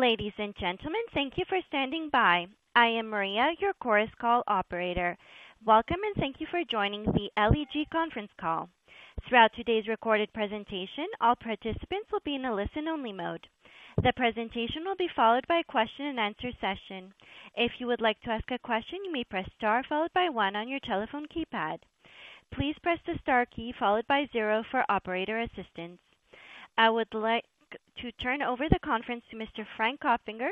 Ladies and gentlemen, thank you for standing by. I am Maria, your Chorus Call operator. Welcome, and thank you for joining the LEG conference call. Throughout today's recorded presentation, all participants will be in a listen-only mode. The presentation will be followed by a question and answer session. If you would like to ask a question, you may press Star, followed by One on your telephone keypad. Please press the Star key, followed by Zero for operator assistance. I would like to turn over the conference to Mr. Frank Kopfinger,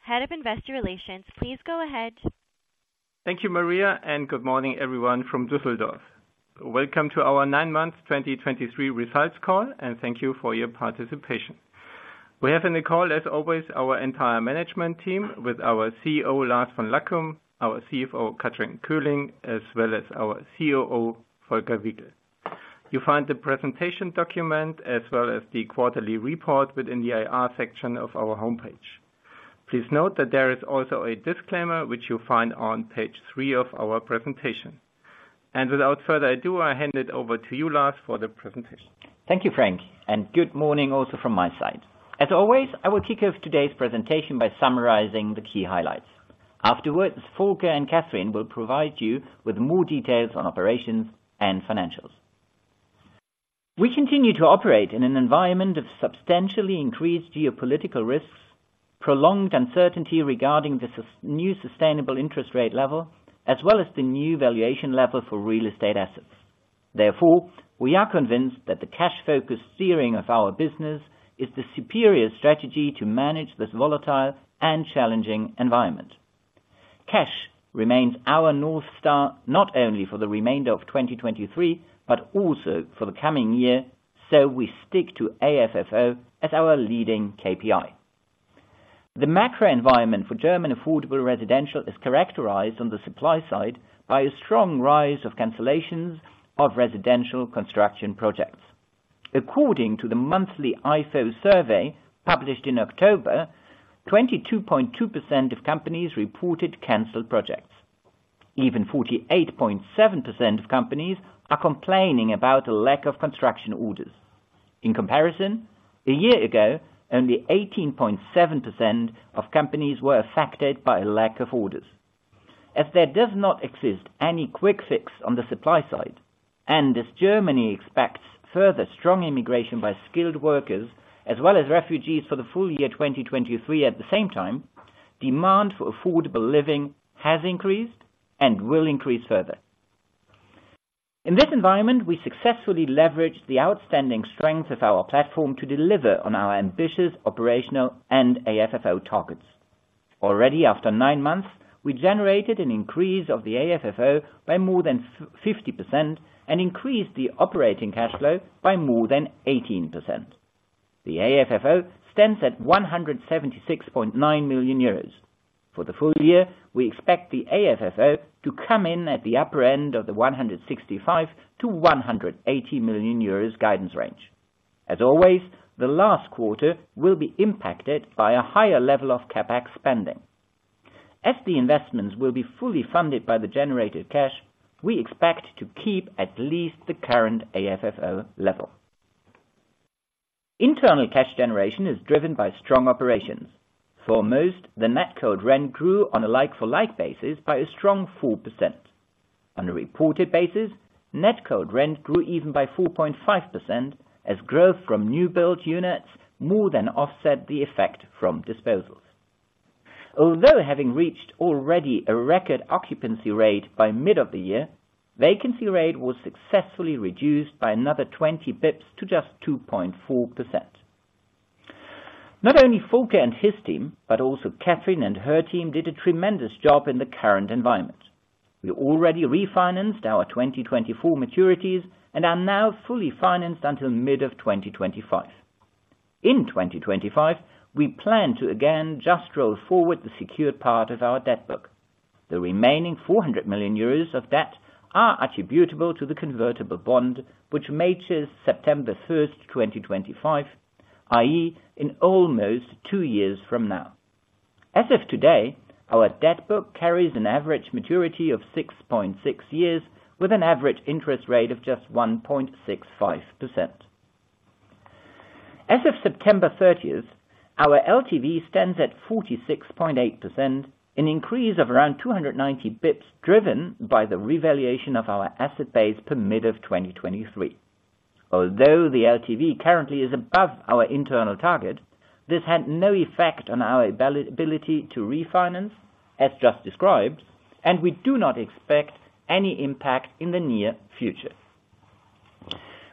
Head of Investor Relations. Please go ahead. Thank you, Maria, and good morning, everyone from Düsseldorf. Welcome to our nine month 2023 results call, and thank you for your participation. We have in the call, as always, our entire management team with our CEO, Lars von Lackum, our CFO, Kathrin Köhling, as well as our COO, Volker Wiegel. You'll find the presentation document as well as the quarterly report within the IR section of our homepage. Please note that there is also a disclaimer, which you'll find on page three of our presentation. Without further ado, I hand it over to you, Lars, for the presentation. Thank you, Frank, and good morning also from my side. As always, I will kick off today's presentation by summarizing the key highlights. Afterwards, Volker and Kathrin will provide you with more details on operations and financials. We continue to operate in an environment of substantially increased geopolitical risks, prolonged uncertainty regarding the new sustainable interest rate level, as well as the new valuation level for real estate assets. Therefore, we are convinced that the cash-focused steering of our business is the superior strategy to manage this volatile and challenging environment. Cash remains our North Star, not only for the remainder of 2023, but also for the coming year, so we stick to AFFO as our leading KPI. The macro environment for German affordable residential is characterized on the supply side by a strong rise of cancellations of residential construction projects. According to the monthly ifo survey, published in October, 22.2% of companies reported canceled projects. Even 48.7% of companies are complaining about a lack of construction orders. In comparison, a year ago, only 18.7% of companies were affected by a lack of orders. As there does not exist any quick fix on the supply side, and as Germany expects further strong immigration by skilled workers, as well as refugees for the full year 2023 at the same time, demand for affordable living has increased and will increase further. In this environment, we successfully leveraged the outstanding strengths of our platform to deliver on our ambitious operational and AFFO targets. Already, after nine months, we generated an increase of the AFFO by more than 50% and increased the operating cash flow by more than 18%. The AFFO stands at 176.9 million euros. For the full year, we expect the AFFO to come in at the upper end of the 165 million-180 million euros guidance range. As always, the last quarter will be impacted by a higher level of CapEx spending. As the investments will be fully funded by the generated cash, we expect to keep at least the current AFFO level. Internal cash generation is driven by strong operations. For most, the net cold rent grew on a like-for-like basis by a strong 4%. On a reported basis, net cold rent grew even by 4.5%, as growth from new build units more than offset the effect from disposals. Although, having reached already a record occupancy rate by mid of the year, vacancy rate was successfully reduced by another 20 basis points to just 2.4%. Not only Volker and his team, but also Kathrin and her team, did a tremendous job in the current environment. We already refinanced our 2024 maturities and are now fully financed until mid of 2025. In 2025, we plan to again just roll forward the secured part of our debt book. The remaining 400 million euros of debt are attributable to the convertible bond, which matures September 1, 2025, i.e., in almost two years from now. As of today, our debt book carries an average maturity of 6.6 years, with an average interest rate of just 1.65%. As of September 30th, our LTV stands at 46.8%, an increase of around 290 basis points, driven by the revaluation of our asset base per mid of 2023. Although the LTV currently is above our internal target, this had no effect on our ability to refinance, as just described, and we do not expect any impact in the near future.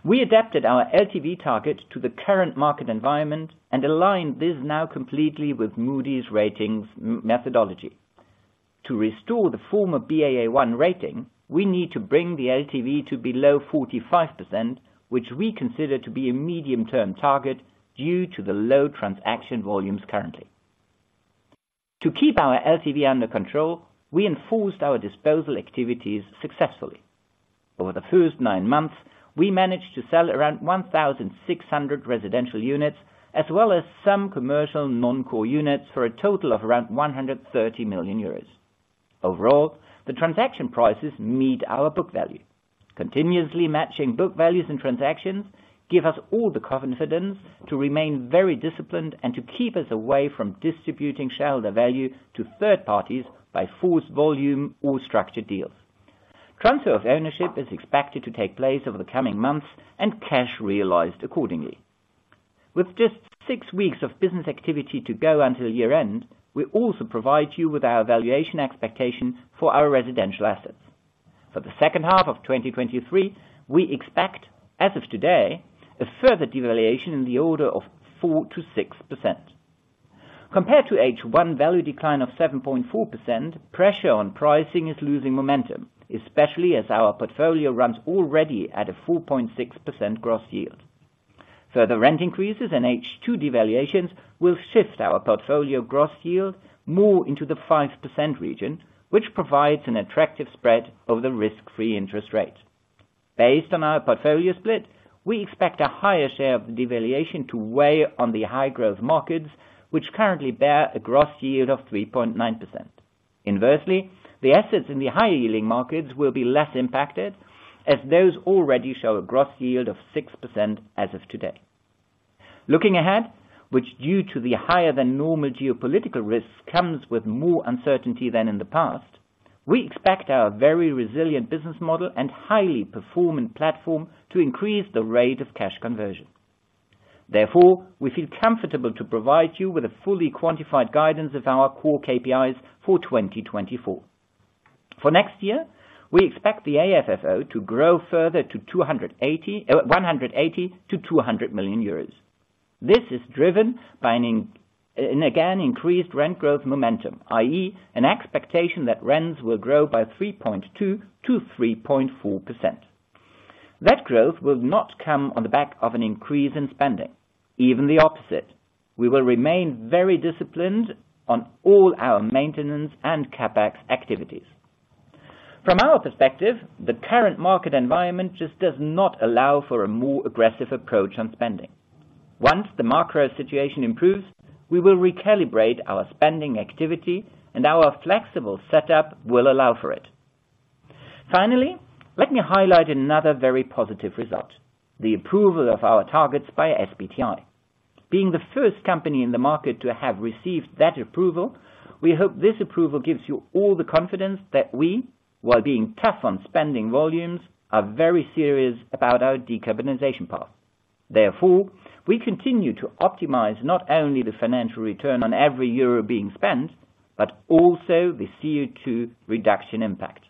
We adapted our LTV target to the current market environment and aligned this now completely with Moody's ratings methodology. To restore the former Baa1 rating, we need to bring the LTV to below 45%, which we consider to be a medium-term target due to the low transaction volumes currently. To keep our LTV under control, we enforced our disposal activities successfully. Over the first 9 months, we managed to sell around 1,600 residential units, as well as some commercial non-core units, for a total of around 130 million euros. Overall, the transaction prices meet our book value. Continuously matching book values and transactions give us all the confidence to remain very disciplined and to keep us away from distributing shareholder value to third parties by false volume or structured deals. Transfer of ownership is expected to take place over the coming months, and cash realized accordingly. With just 6 weeks of business activity to go until year-end, we also provide you with our valuation expectation for our residential assets. For the second half of 2023, we expect, as of today, a further devaluation in the order of 4%-6%. Compared to H1 value decline of 7.4%, pressure on pricing is losing momentum, especially as our portfolio runs already at a 4.6% gross yield. Further rent increases and H2 devaluations will shift our portfolio gross yield more into the 5% region, which provides an attractive spread over the risk-free interest rate. Based on our portfolio split, we expect a higher share of the devaluation to weigh on the high growth markets, which currently bear a gross yield of 3.9%. Inversely, the assets in the high-yielding markets will be less impacted, as those already show a gross yield of 6% as of today. Looking ahead, which, due to the higher than normal geopolitical risks, comes with more uncertainty than in the past, we expect our very resilient business model and highly performing platform to increase the rate of cash conversion. Therefore, we feel comfortable to provide you with a fully quantified guidance of our core KPIs for 2024. For next year, we expect the AFFO to grow further to 180 million-200 million euros. This is driven by, again, increased rent growth momentum, i.e., an expectation that rents will grow by 3.2%-3.4%. That growth will not come on the back of an increase in spending. Even the opposite, we will remain very disciplined on all our maintenance and CapEx activities. From our perspective, the current market environment just does not allow for a more aggressive approach on spending. Once the macro situation improves, we will recalibrate our spending activity, and our flexible setup will allow for it. Finally, let me highlight another very positive result: the approval of our targets by SBTi. Being the first company in the market to have received that approval, we hope this approval gives you all the confidence that we, while being tough on spending volumes, are very serious about our decarbonization path. Therefore, we continue to optimize not only the financial return on every euro being spent, but also the CO2 reduction impact.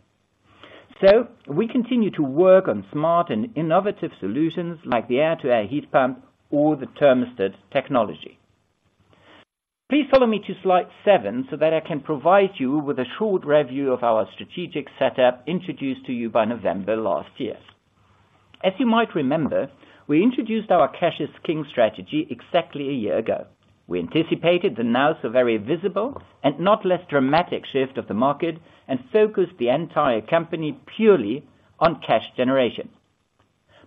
So we continue to work on smart and innovative solutions, like the air-to-air heat pump or the thermostat technology. Please follow me to slide seven, so that I can provide you with a short review of our strategic setup, introduced to you by November last year. As you might remember, we introduced our cash is king strategy exactly a year ago. We anticipated the now so very visible and not less dramatic shift of the market, and focused the entire company purely on cash generation.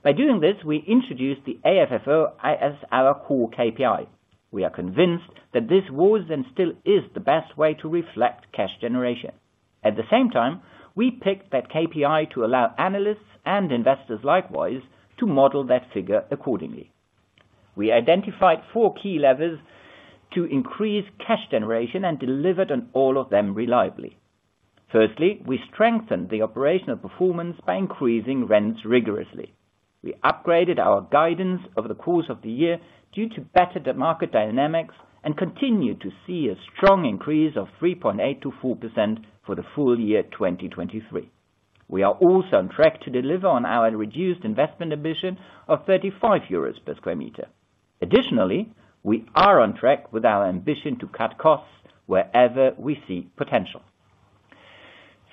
By doing this, we introduced the AFFO as our core KPI. We are convinced that this was and still is the best way to reflect cash generation. At the same time, we picked that KPI to allow analysts and investors likewise, to model that figure accordingly. We identified four key levers to increase cash generation and delivered on all of them reliably. Firstly, we strengthened the operational performance by increasing rents rigorously. We upgraded our guidance over the course of the year due to better than market dynamics, and continued to see a strong increase of 3.8%-4% for the full year 2023. We are also on track to deliver on our reduced investment ambition of 35 euros per sq m. Additionally, we are on track with our ambition to cut costs wherever we see potential.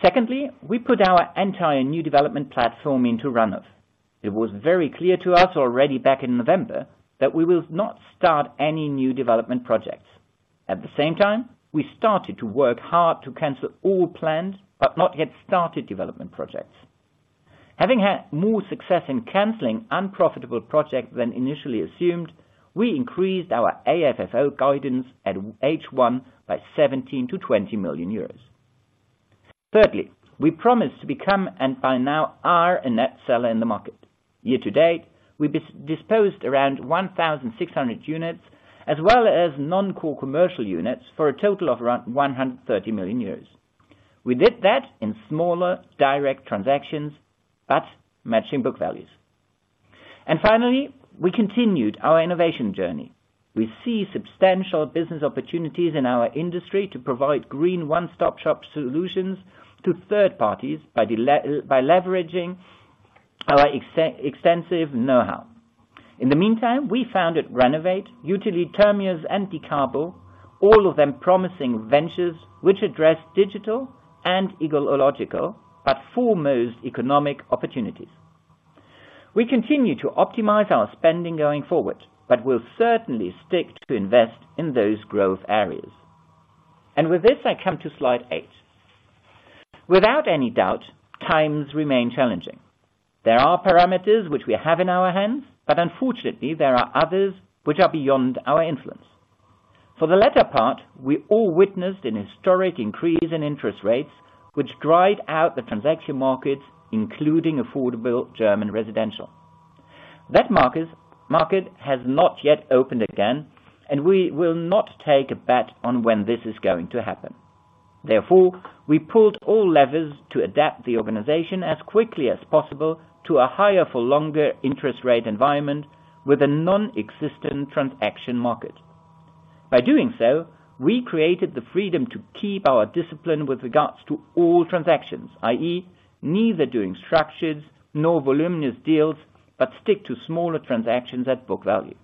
Secondly, we put our entire new development platform into run-off. It was very clear to us already back in November, that we will not start any new development projects. At the same time, we started to work hard to cancel all plans, but not yet started development projects. Having had more success in canceling unprofitable projects than initially assumed, we increased our AFFO guidance at H1 by 17 million-20 million euros. Thirdly, we promised to become, and by now are, a net seller in the market. Year to date, we disposed around 1,600 units, as well as non-core commercial units for a total of around 130 million. We did that in smaller, direct transactions, but matching book values. And finally, we continued our innovation journey. We see substantial business opportunities in our industry to provide green one-stop-shop solutions to third parties by leveraging our extensive know-how. In the meantime, we founded RENOWATE, Youtilly, termios, and dekarbo, all of them promising ventures which address digital and ecological, but foremost economic opportunities. We continue to optimize our spending going forward, but will certainly stick to invest in those growth areas. And with this, I come to slide eight. Without any doubt, times remain challenging. There are parameters which we have in our hands, but unfortunately, there are others which are beyond our influence. For the latter part, we all witnessed an historic increase in interest rates, which dried out the transaction markets, including affordable German residential. That market has not yet opened again, and we will not take a bet on when this is going to happen. Therefore, we pulled all levers to adapt the organization as quickly as possible to a higher-for-longer interest rate environment with a non-existent transaction market. By doing so, we created the freedom to keep our discipline with regards to all transactions, i.e., neither doing structures nor voluminous deals, but stick to smaller transactions at book value.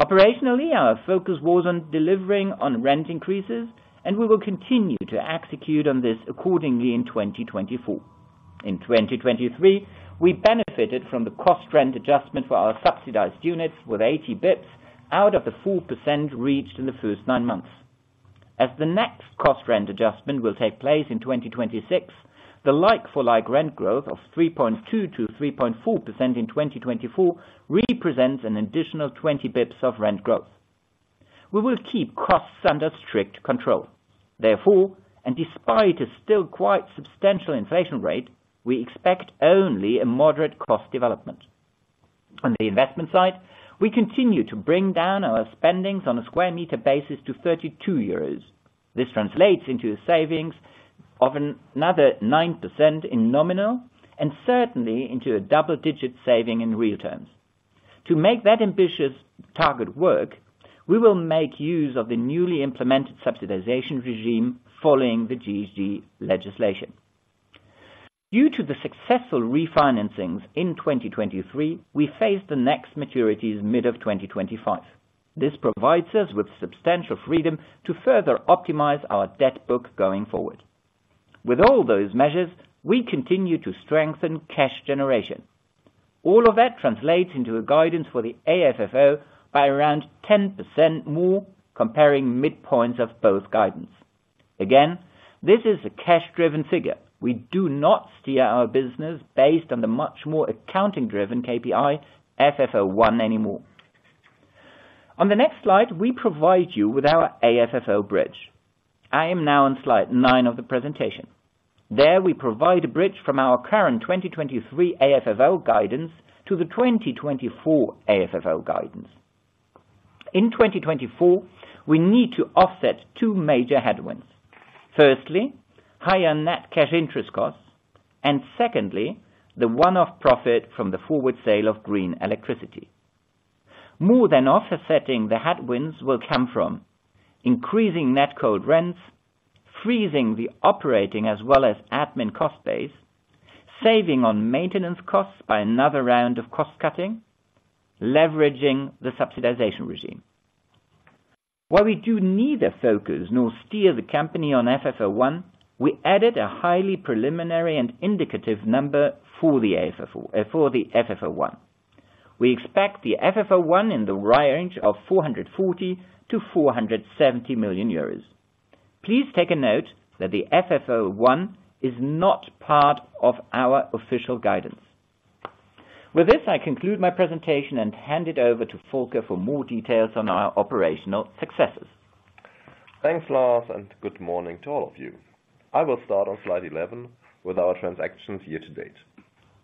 Operationally, our focus was on delivering on rent increases, and we will continue to execute on this accordingly in 2024. In 2023, we benefited from the cost rent adjustment for our subsidized units with 80 basis points out of the 4% reached in the first nine months. As the next cost rent adjustment will take place in 2026, the like-for-like rent growth of 3.2%-3.4% in 2024 represents an additional 20 basis points of rent growth. We will keep costs under strict control. Therefore, and despite a still quite substantial inflation rate, we expect only a moderate cost development. On the investment side, we continue to bring down our spendings on a square meter basis to 32 euros. This translates into a savings of another 9% in nominal, and certainly into a double-digit saving in real terms. To make that ambitious target work, we will make use of the newly implemented subsidization regime following the GEG legislation. Due to the successful refinancings in 2023, we face the next maturities mid-2025. This provides us with substantial freedom to further optimize our debt book going forward. With all those measures, we continue to strengthen cash generation. All of that translates into a guidance for the AFFO by around 10% more, comparing midpoints of both guidance. Again, this is a cash-driven figure. We do not steer our business based on the much more accounting-driven KPI, FFO I anymore. On the next slide, we provide you with our AFFO bridge. I am now on slide nine of the presentation. There, we provide a bridge from our current 2023 AFFO guidance to the 2024 AFFO guidance. In 2024, we need to offset two major headwinds: firstly, higher net cash interest costs, and secondly, the one-off profit from the forward sale of green electricity. More than offsetting the headwinds will come from increasing net cold rents, freezing the operating as well as admin cost base, saving on maintenance costs by another round of cost cutting, leveraging the subsidization regime. While we do neither focus nor steer the company on FFO I, we added a highly preliminary and indicative number for the FFO, for the FFO I. We expect the FFO I in the range of 440 million-470 million euros. Please take a note that the FFO I is not part of our official guidance. With this, I conclude my presentation and hand it over to Volker for more details on our operational successes. Thanks, Lars, and good morning to all of you. I will start on slide 11 with our transactions year-to-date.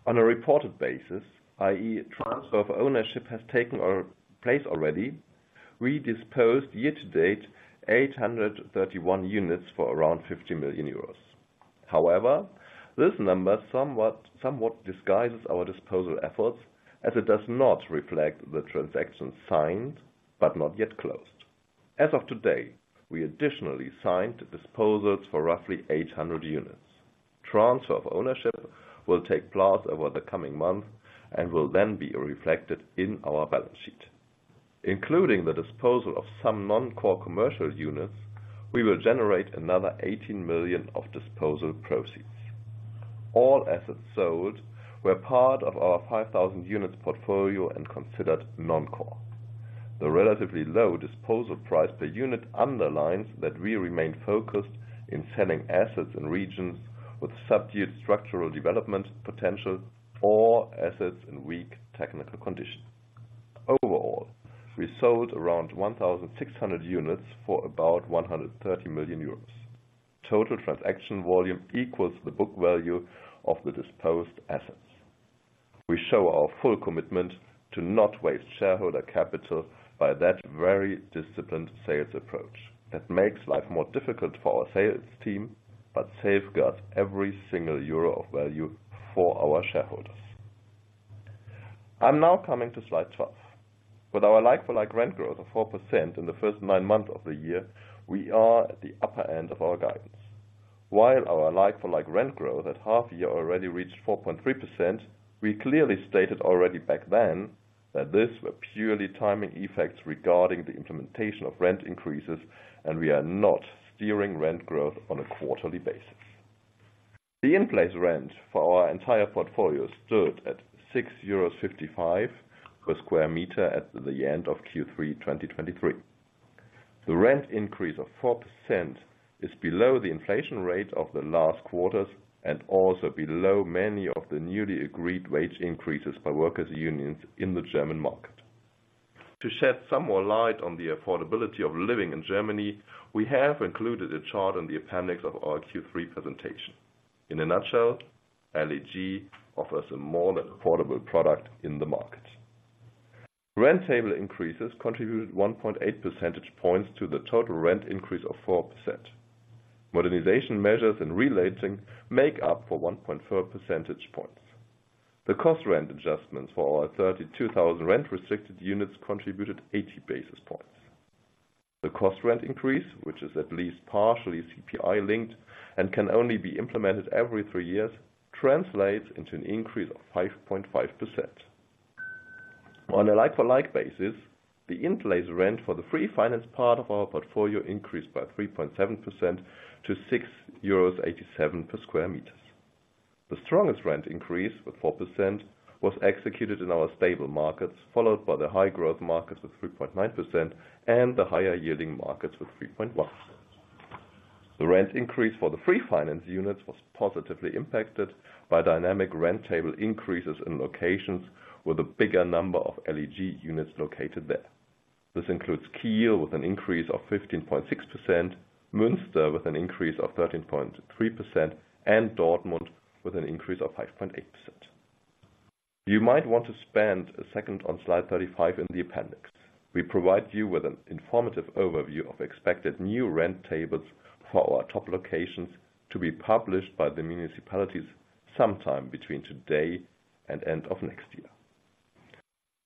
On a reported basis, i.e., transfer of ownership has taken place already, we disposed year-to-date 831 units for around 50 million euros. However, this number somewhat disguises our disposal efforts, as it does not reflect the transactions signed, but not yet closed. As of today, we additionally signed disposals for roughly 800 units. Transfer of ownership will take place over the coming months and will then be reflected in our balance sheet. Including the disposal of some non-core commercial units, we will generate another 18 million of disposal proceeds. All assets sold were part of our 5,000 units portfolio and considered non-core. The relatively low disposal price per unit underlines that we remain focused in selling assets in regions with subdued structural development potential or assets in weak technical condition. Overall, we sold around 1,600 units for about 130 million euros. Total transaction volume equals the book value of the disposed assets. We show our full commitment to not waste shareholder capital by that very disciplined sales approach. That makes life more difficult for our sales team, but safeguards every single euro of value for our shareholders. I'm now coming to slide 12. With our like-for-like rent growth of 4% in the first nine months of the year, we are at the upper end of our guidance. While our like-for-like rent growth at half year already reached 4.3%, we clearly stated already back then, that this were purely timing effects regarding the implementation of rent increases, and we are not steering rent growth on a quarterly basis. The in-place rent for our entire portfolio stood at 6.55 euros per sq m at the end of Q3 2023. The rent increase of 4% is below the inflation rate of the last quarters and also below many of the newly agreed wage increases by workers unions in the German market. To shed some more light on the affordability of living in Germany, we have included a chart in the appendix of our Q3 presentation. In a nutshell, LEG offers a more than affordable product in the market. Rent table increases contributed 1.8 percentage points to the total rent increase of 4%. Modernization measures and relating make up for 1.4 percentage points. The cost rent adjustments for our 32,000 rent restricted units contributed 80 basis points. The cost rent increase, which is at least partially CPI linked and can only be implemented every three years, translates into an increase of 5.5%. On a like-for-like basis, the in-place rent for the free finance part of our portfolio increased by 3.7% to 6.87 euros per sq m. The strongest rent increase, with 4%, was executed in our stable markets, followed by the high growth markets with 3.9% and the higher yielding markets with 3.1. The rent increase for the free finance units was positively impacted by dynamic rent table increases in locations with a bigger number of LEG units located there. This includes Kiel, with an increase of 15.6%, Münster, with an increase of 13.3%, and Dortmund, with an increase of 5.8%. You might want to spend a second on slide 35 in the appendix. We provide you with an informative overview of expected new rent tables for our top locations to be published by the municipalities sometime between today and end of next year.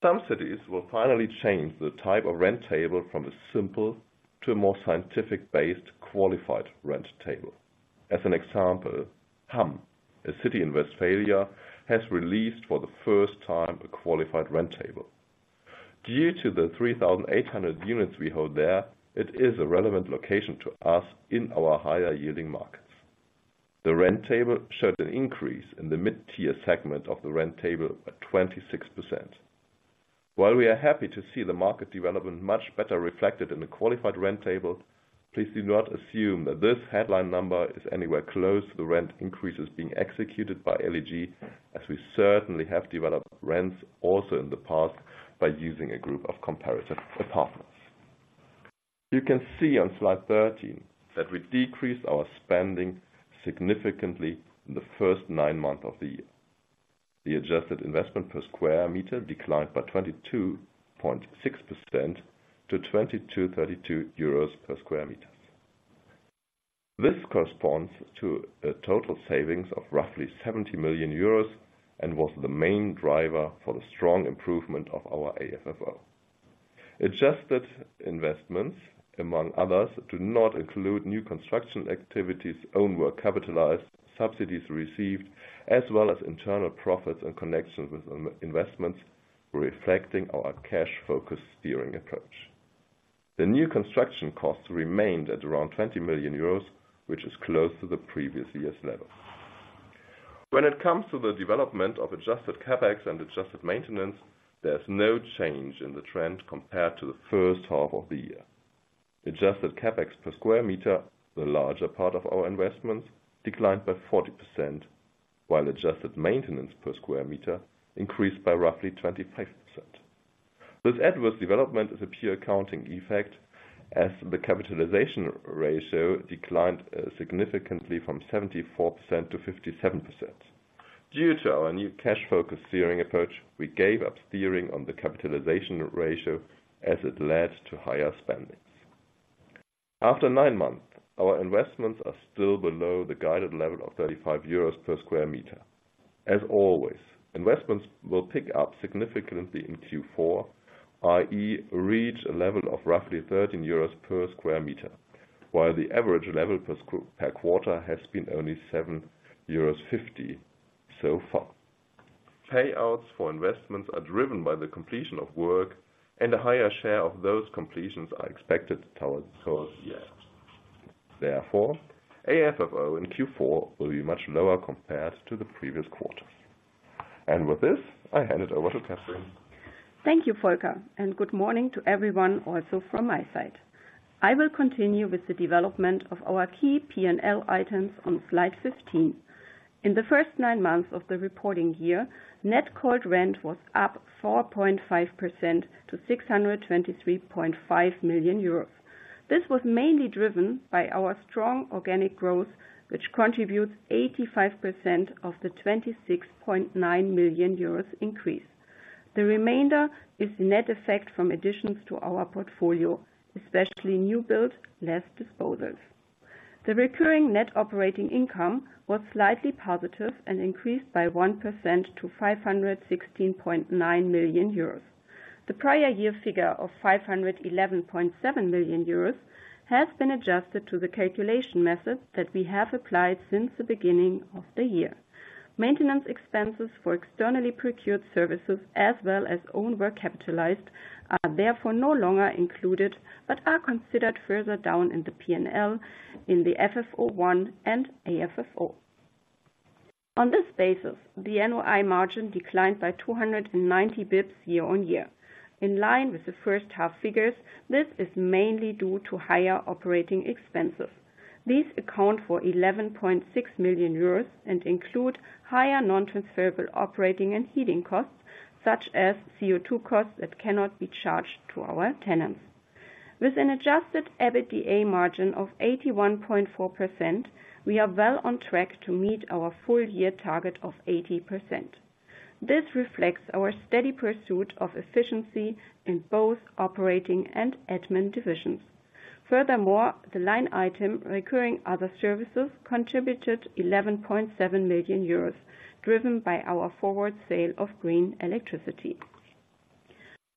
Some cities will finally change the type of rent table from a simple to a more scientific-based qualified rent table. As an example, Hamm, a city in Westphalia, has released for the first time a qualified rent table. Due to the 3,800 units we hold there, it is a relevant location to us in our higher yielding markets. The rent table showed an increase in the mid-tier segment of the rent table at 26%. While we are happy to see the market development much better reflected in the qualified rent table, please do not assume that this headline number is anywhere close to the rent increases being executed by LEG, as we certainly have developed rents also in the past by using a group of comparative apartments. You can see on slide 13 that we decreased our spending significantly in the first nine months of the year. The adjusted investment per square meter declined by 22.6% to EUR 2,232 per sq m. This corresponds to a total savings of roughly 70 million euros and was the main driver for the strong improvement of our AFFO. Adjusted investments, among others, do not include new construction activities, own work capitalized, subsidies received, as well as internal profits and connections with in- investments, reflecting our cash focus steering approach. The new construction costs remained at around 20 million euros, which is close to the previous year's level. When it comes to the development of adjusted CapEx and adjusted maintenance, there is no change in the trend compared to the first half of the year. Adjusted CapEx per square meter, the larger part of our investments, declined by 40%, while adjusted maintenance per square meter increased by roughly 25%. This adverse development is a pure accounting effect, as the capitalization ratio declined significantly from 74%-57%. Due to our new cash focus steering approach, we gave up steering on the capitalization ratio as it led to higher spendings. After nine months, our investments are still below the guided level of 35 euros per sq m. As always, investments will pick up significantly in Q4, i.e., reach a level of roughly 13 euros per sq m, while the average level per quarter has been only 7.50 euros so far. Payouts for investments are driven by the completion of work, and a higher share of those completions are expected towards the close year. Therefore, AFFO in Q4 will be much lower compared to the previous quarter. With this, I hand it over to Kathrin. Thank you, Volker, and good morning to everyone, also from my side. I will continue with the development of our key P&L items on slide 15. In the first nine months of the reporting year, net cold rent was up 4.5% to 623.5 million euros. This was mainly driven by our strong organic growth, which contributes 85% of the 26.9 million euros increase. The remainder is net effect from additions to our portfolio, especially new build, less disposals. The recurring net operating income was slightly positive and increased by 1% to 516.9 million euros. The prior year figure of 511.7 million euros has been adjusted to the calculation method that we have applied since the beginning of the year. Maintenance expenses for externally procured services, as well as own work capitalized, are therefore no longer included, but are considered further down in the P&L in the FFO I and AFFO. On this basis, the NOI margin declined by 290 BPS year-on-year. In line with the first half figures, this is mainly due to higher operating expenses. These account for 11.6 million euros, and include higher non-transferable operating and heating costs, such as CO2 costs that cannot be charged to our tenants. With an adjusted EBITDA margin of 81.4%, we are well on track to meet our full year target of 80%. This reflects our steady pursuit of efficiency in both operating and admin divisions. Furthermore, the line item, Recurring Other Services, contributed 11.7 million euros, driven by our forward sale of green electricity.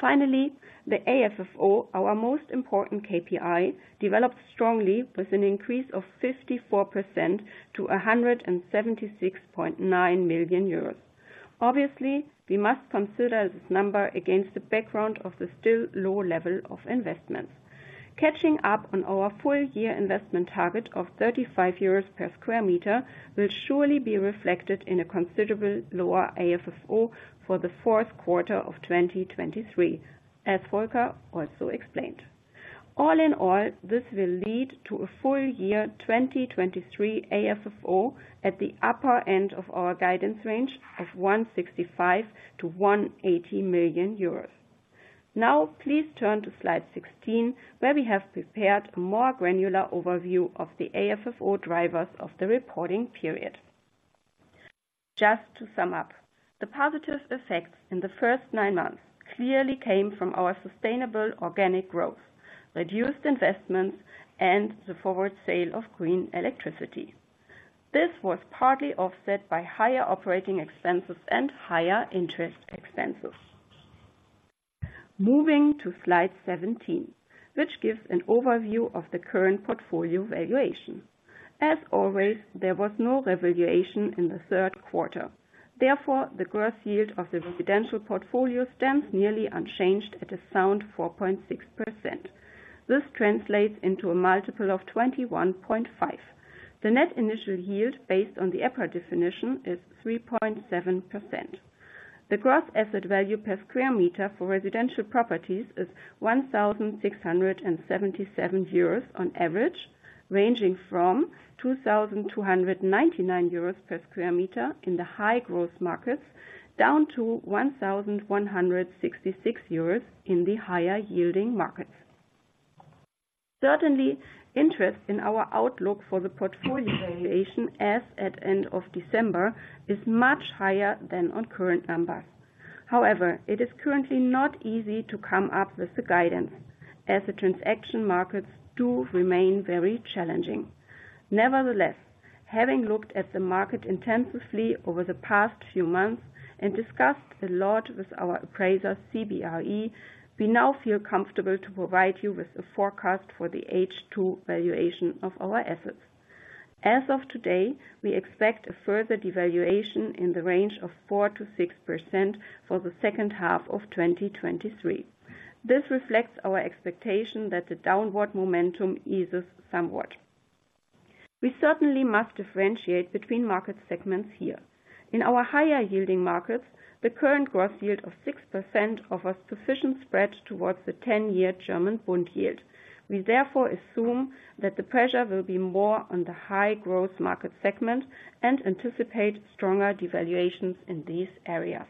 Finally, the AFFO, our most important KPI, developed strongly with an increase of 54% to 176.9 million euros. Obviously, we must consider this number against the background of the still low level of investments. Catching up on our full year investment target of 35 euros per sq m, will surely be reflected in a considerably lower AFFO for the fourth quarter of 2023, as Volker also explained. All in all, this will lead to a full year 2023 AFFO at the upper end of our guidance range of 165 million-180 million euros. Now please turn to slide 16, where we have prepared a more granular overview of the AFFO drivers of the reporting period. Just to sum up, the positive effects in the first nine months clearly came from our sustainable organic growth, reduced investments, and the forward sale of green electricity. This was partly offset by higher operating expenses and higher interest expenses. Moving to slide 17, which gives an overview of the current portfolio valuation. As always, there was no revaluation in the third quarter. Therefore, the gross yield of the residential portfolio stands nearly unchanged at a sound 4.6%. This translates into a multiple of 21.5. The net initial yield, based on the EPRA definition, is 3.7%. The gross asset value per sq m for residential properties is 1,677 euros on average, ranging from 2,299 euros per sq m in the high growth markets, down to 1,166 euros in the higher yielding markets. Certainly, interest in our outlook for the portfolio valuation as at end of December, is much higher than on current numbers. However, it is currently not easy to come up with the guidance, as the transaction markets do remain very challenging. Nevertheless, having looked at the market intensively over the past few months, and discussed a lot with our appraiser, CBRE, we now feel comfortable to provide you with a forecast for the H2 valuation of our assets. As of today, we expect a further devaluation in the range of 4%-6% for the second half of 2023. This reflects our expectation that the downward momentum eases somewhat. We certainly must differentiate between market segments here. In our higher yielding markets, the current gross yield of 6% offers sufficient spread towards the 10-year German bond yield. We therefore assume that the pressure will be more on the high growth market segment, and anticipate stronger devaluations in these areas.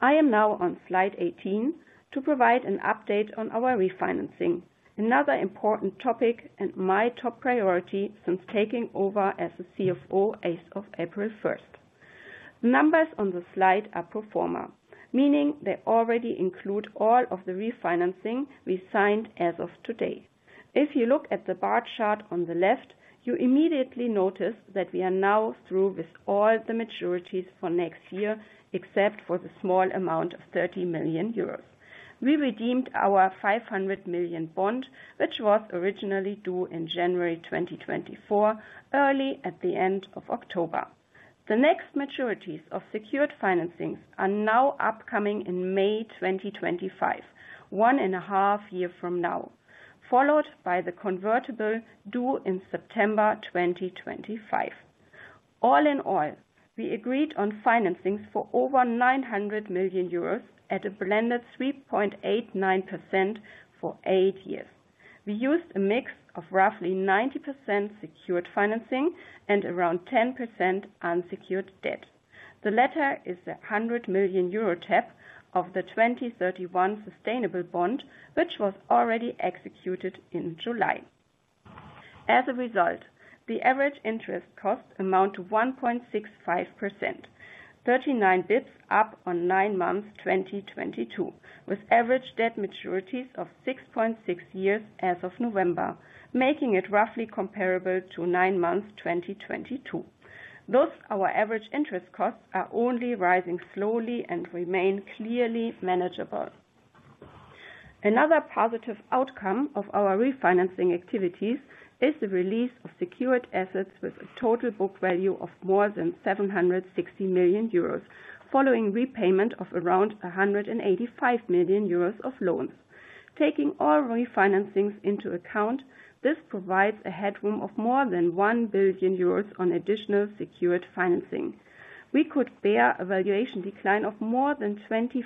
I am now on slide 18 to provide an update on our refinancing, another important topic and my top priority since taking over as the CFO as of April 1st. Numbers on the slide are pro forma, meaning they already include all of the refinancing we signed as of today. If you look at the bar chart on the left, you immediately notice that we are now through with all the maturities for next year, except for the small amount of 30 million euros. We redeemed our 500 million bond, which was originally due in January 2024, early at the end of October. The next maturities of secured financings are now upcoming in May 2025, 1.5 year from now, followed by the convertible due in September 2025. All in all, we agreed on financings for over 900 million euros at a blended 3.89% for 8 years. We used a mix of roughly 90% secured financing and around 10% unsecured debt. The latter is a 100 million euro tap of the 2031 sustainable bond, which was already executed in July. As a result, the average interest cost amounts to 1.65%, 39 BPS up on nine months, 2022, with average debt maturities of 6.6 years as of November, making it roughly comparable to nine months, 2022. Thus, our average interest costs are only rising slowly and remain clearly manageable. Another positive outcome of our refinancing activities is the release of secured assets with a total book value of more than 760 million euros, following repayment of around 185 million euros of loans. Taking all refinancings into account, this provides a headroom of more than 1 billion euros on additional secured financing. We could bear a valuation decline of more than 25%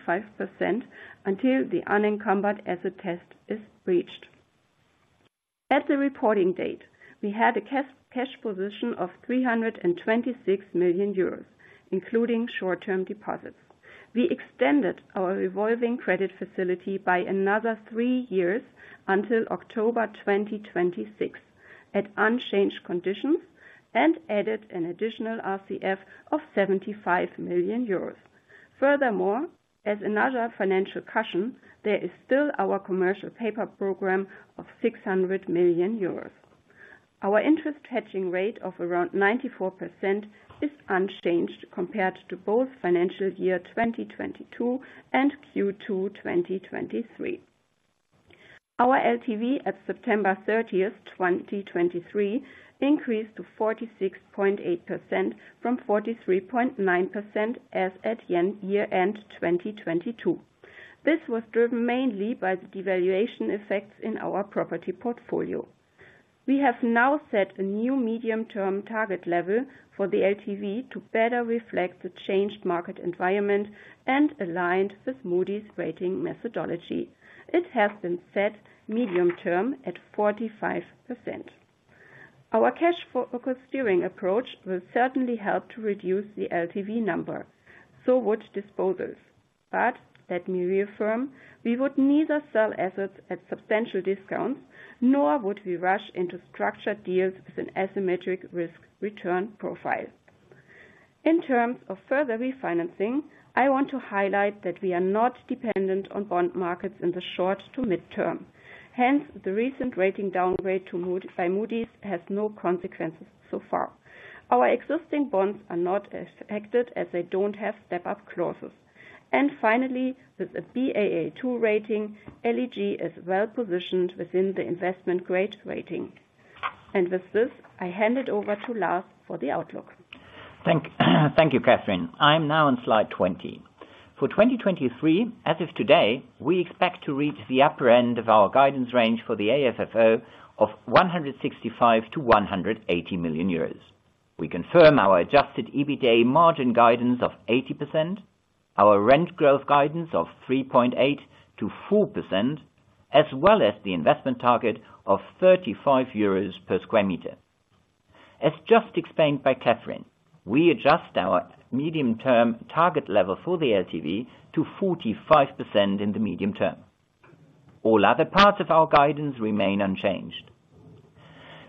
until the unencumbered asset test is reached. At the reporting date, we had a cash position of 326 million euros, including short-term deposits. We extended our revolving credit facility by another three years until October 2026, at unchanged conditions, and added an additional RCF of 75 million euros. Furthermore, as another financial cushion, there is still our commercial paper program of 600 million euros. Our interest hedging rate of around 94% is unchanged compared to both financial year 2022 and Q2 2023. Our LTV at September 30, 2023, increased to 46.8% from 43.9%, as at year-end 2022. This was driven mainly by the devaluation effects in our property portfolio. We have now set a new medium-term target level for the LTV to better reflect the changed market environment and aligned with Moody's rating methodology. It has been set medium-term at 45%. Our cash flow steering approach will certainly help to reduce the LTV number, so would disposals. But let me reaffirm, we would neither sell assets at substantial discounts, nor would we rush into structured deals with an asymmetric risk-return profile. In terms of further refinancing, I want to highlight that we are not dependent on bond markets in the short- to medium-term. Hence, the recent rating downgrade to Baa2 by Moody's has no consequences so far. Our existing bonds are not affected, as they don't have step-up clauses. And finally, with a Baa2 rating, LEG is well positioned within the investment grade rating. And with this, I hand it over to Lars for the outlook. Thank you, Kathrin. I'm now on slide 20. For 2023, as of today, we expect to reach the upper end of our guidance range for the AFFO of 165 million-180 million euros. We confirm our adjusted EBITDA margin guidance of 80%, our rent growth guidance of 3.8%-4%, as well as the investment target of 35 euros per sq m. As just explained by Kathrin, we adjust our medium term target level for the LTV to 45% in the medium term. All other parts of our guidance remain unchanged.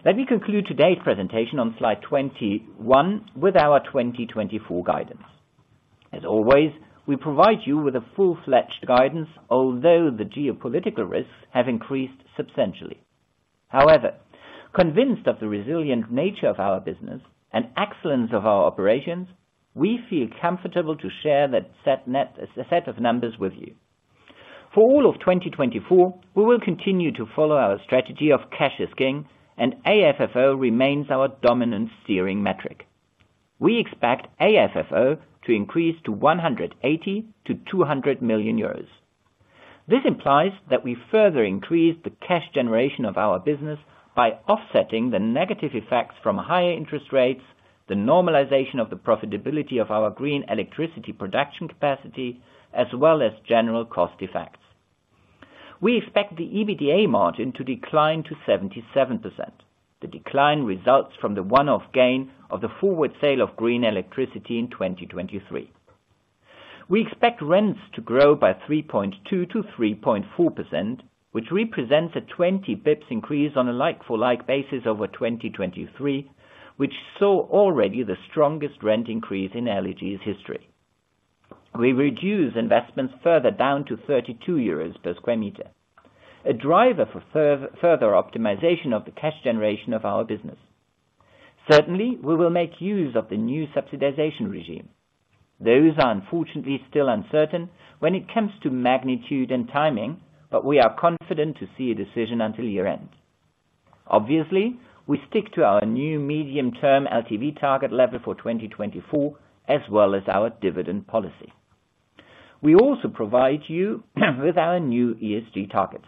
Let me conclude today's presentation on slide 21 with our 2024 guidance. As always, we provide you with a full-fledged guidance, although the geopolitical risks have increased substantially. However, convinced of the resilient nature of our business and excellence of our operations, we feel comfortable to share that set of numbers with you. For all of 2024, we will continue to follow our strategy of cash is king, and AFFO remains our dominant steering metric. We expect AFFO to increase to 180 million-200 million euros. This implies that we further increase the cash generation of our business by offsetting the negative effects from higher interest rates, the normalization of the profitability of our green electricity production capacity, as well as general cost effects. We expect the EBITDA margin to decline to 77%. The decline results from the one-off gain of the forward sale of green electricity in 2023. We expect rents to grow by 3.2%-3.4%, which represents a 20 basis points increase on a like-for-like basis over 2023, which saw already the strongest rent increase in LEG's history. We reduce investments further down to 32 euros per sq m, a driver for further optimization of the cash generation of our business. Certainly, we will make use of the new subsidization regime. Those are unfortunately still uncertain when it comes to magnitude and timing, but we are confident to see a decision until year-end. Obviously, we stick to our new medium-term LTV target level for 2024, as well as our dividend policy. We also provide you with our new ESG targets.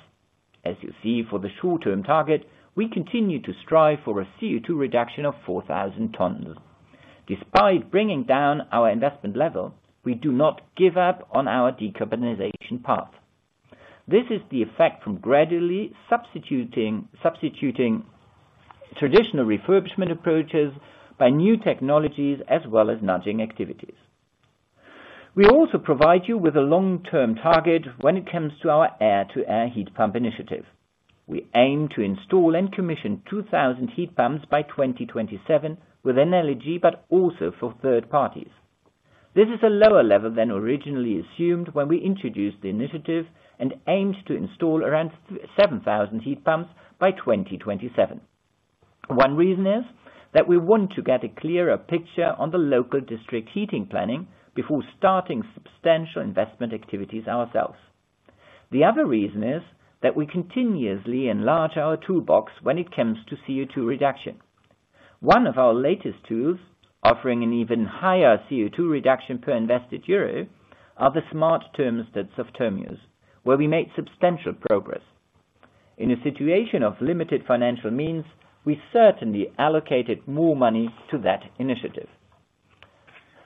As you see, for the short-term target, we continue to strive for a CO2 reduction of 4,000 tons. Despite bringing down our investment level, we do not give up on our decarbonization path. This is the effect from gradually substituting traditional refurbishment approaches by new technologies, as well as nudging activities. We also provide you with a long-term target when it comes to our air-to-air heat pump initiative. We aim to install and commission 2,000 heat pumps by 2027 with LEG, but also for third parties. This is a lower level than originally assumed when we introduced the initiative and aimed to install around 7,000 heat pumps by 2027. One reason is that we want to get a clearer picture on the local district heating planning before starting substantial investment activities ourselves. The other reason is that we continuously enlarge our toolbox when it comes to CO₂ reduction. One of our latest tools, offering an even higher CO₂ reduction per invested EUR, are the smart thermostats of termios, where we make substantial progress. In a situation of limited financial means, we certainly allocated more money to that initiative.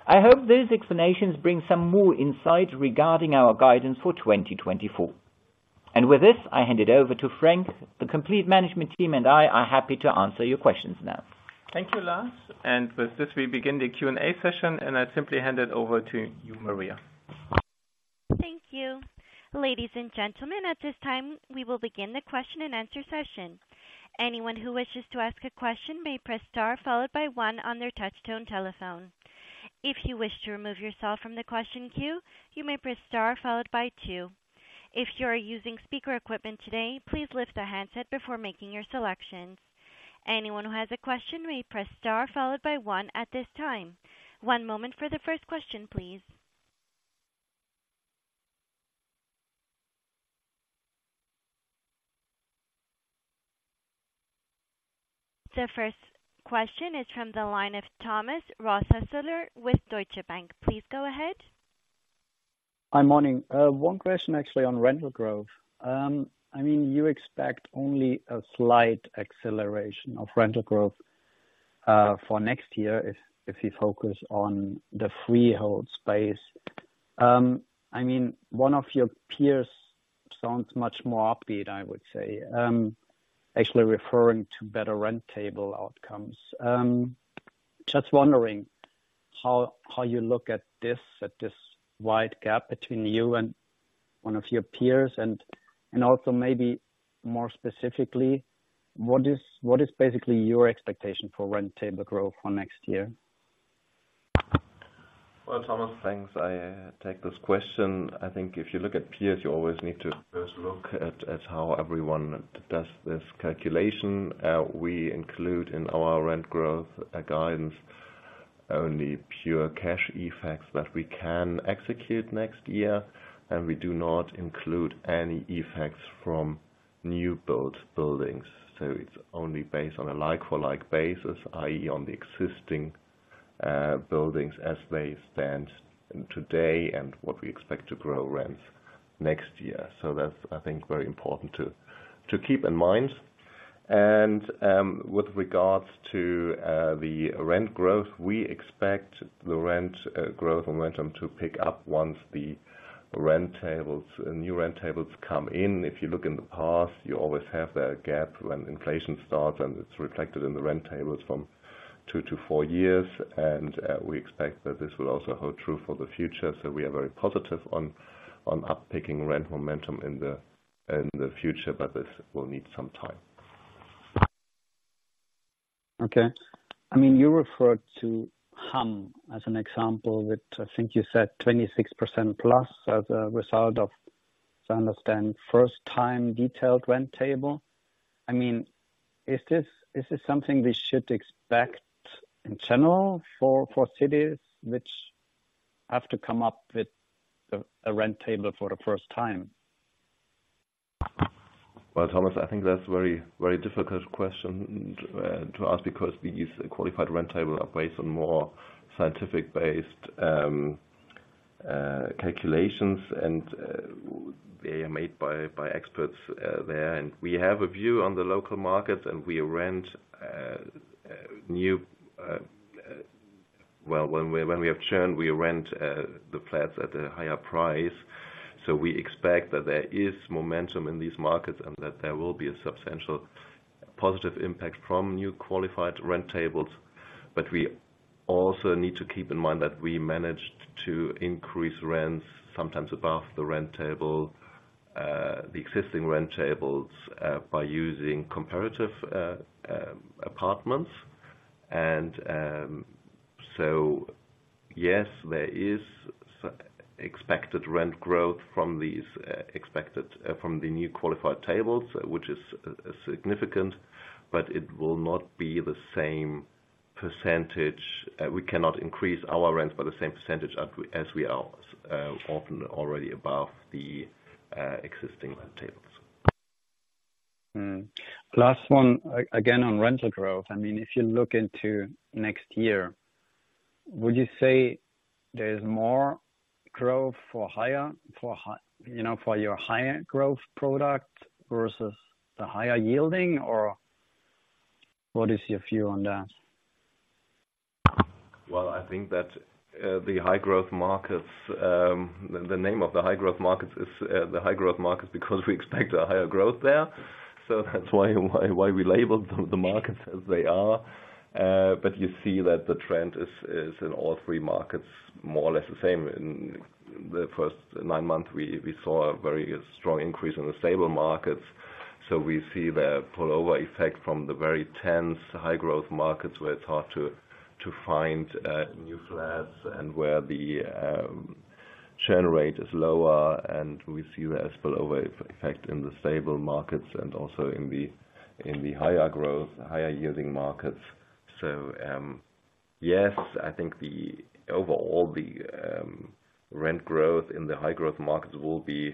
I hope those explanations bring some more insight regarding our guidance for 2024. With this, I hand it over to Frank. The complete management team and I are happy to answer your questions now. Thank you, Lars. With this, we begin the Q&A session, and I simply hand it over to you, Maria. Thank you. Ladies and gentlemen, at this time, we will begin the question and answer session. Anyone who wishes to ask a question may press star followed by one on their touchtone telephone. If you wish to remove yourself from the question queue, you may press star followed by two. If you are using speaker equipment today, please lift the handset before making your selections. Anyone who has a question may press star followed by one at this time. One moment for the first question, please. The first question is from the line of Thomas Rothäusler with Deutsche Bank. Please go ahead. Hi, morning. One question actually on rental growth. I mean, you expect only a slight acceleration of rental growth, for next year if, if you focus on the freehold space. I mean, one of your peers sounds much more upbeat, I would say. Actually referring to better rent table outcomes. Just wondering how, how you look at this, at this wide gap between you and one of your peers, and, and also maybe more specifically, what is, what is basically your expectation for rent table growth for next year? Well, Thomas, thanks. I take this question. I think if you look at peers, you always need to first look at how everyone does this calculation. We include in our rent growth guidance only pure cash effects that we can execute next year, and we do not include any effects from new build buildings. So it's only based on a like-for-like basis, i.e., on the existing buildings as they stand today and what we expect to grow rents next year. So that's, I think, very important to keep in mind. And with regards to the rent growth, we expect the rent growth momentum to pick up once the new rent tables come in. If you look in the past, you always have that gap when inflation starts, and it's reflected in the rent tables from two to four years. We expect that this will also hold true for the future. So we are very positive on picking up rent momentum in the future, but this will need some time. Okay. I mean, you referred to Hamm as an example, with, I think you said 26%+ as a result of, if I understand, first time detailed rent table. I mean, is this, is this something we should expect in general for, for cities which have to come up with a, a rent table for the first time? Well, Thomas, I think that's a very, very difficult question to ask, because these qualified rent tables are based on more science-based calculations, and they are made by experts there. And we have a view on the local markets, and we rent, well, when we have churn, we rent the flats at a higher price. So we expect that there is momentum in these markets and that there will be a substantial positive impact from new qualified rent tables. But we also need to keep in mind that we managed to increase rents sometimes above the rent table, the existing rent tables, by using comparative apartments. Yes, there is expected rent growth from these, expected from the new qualified tables, which is significant, but it will not be the same percentage. We cannot increase our rents by the same percentage as we are often already above the existing rent tables. Last one, again, on rental growth. I mean, if you look into next year, would you say there is more growth for higher, you know, for your higher growth product versus the higher yielding? Or what is your view on that? Well, I think that, the high growth markets, the name of the high growth markets is, the high growth markets, because we expect a higher growth there. So that's why we labeled the markets as they are. But you see that the trend is in all three markets, more or less the same. In the first nine months, we saw a very strong increase in the stable markets, so we see the spillover effect from the very tense, high growth markets, where it's hard to find new flats and where the churn rate is lower, and we see the spillover effect in the stable markets and also in the higher growth, higher yielding markets. So, yes, I think the overall rent growth in the high growth markets will be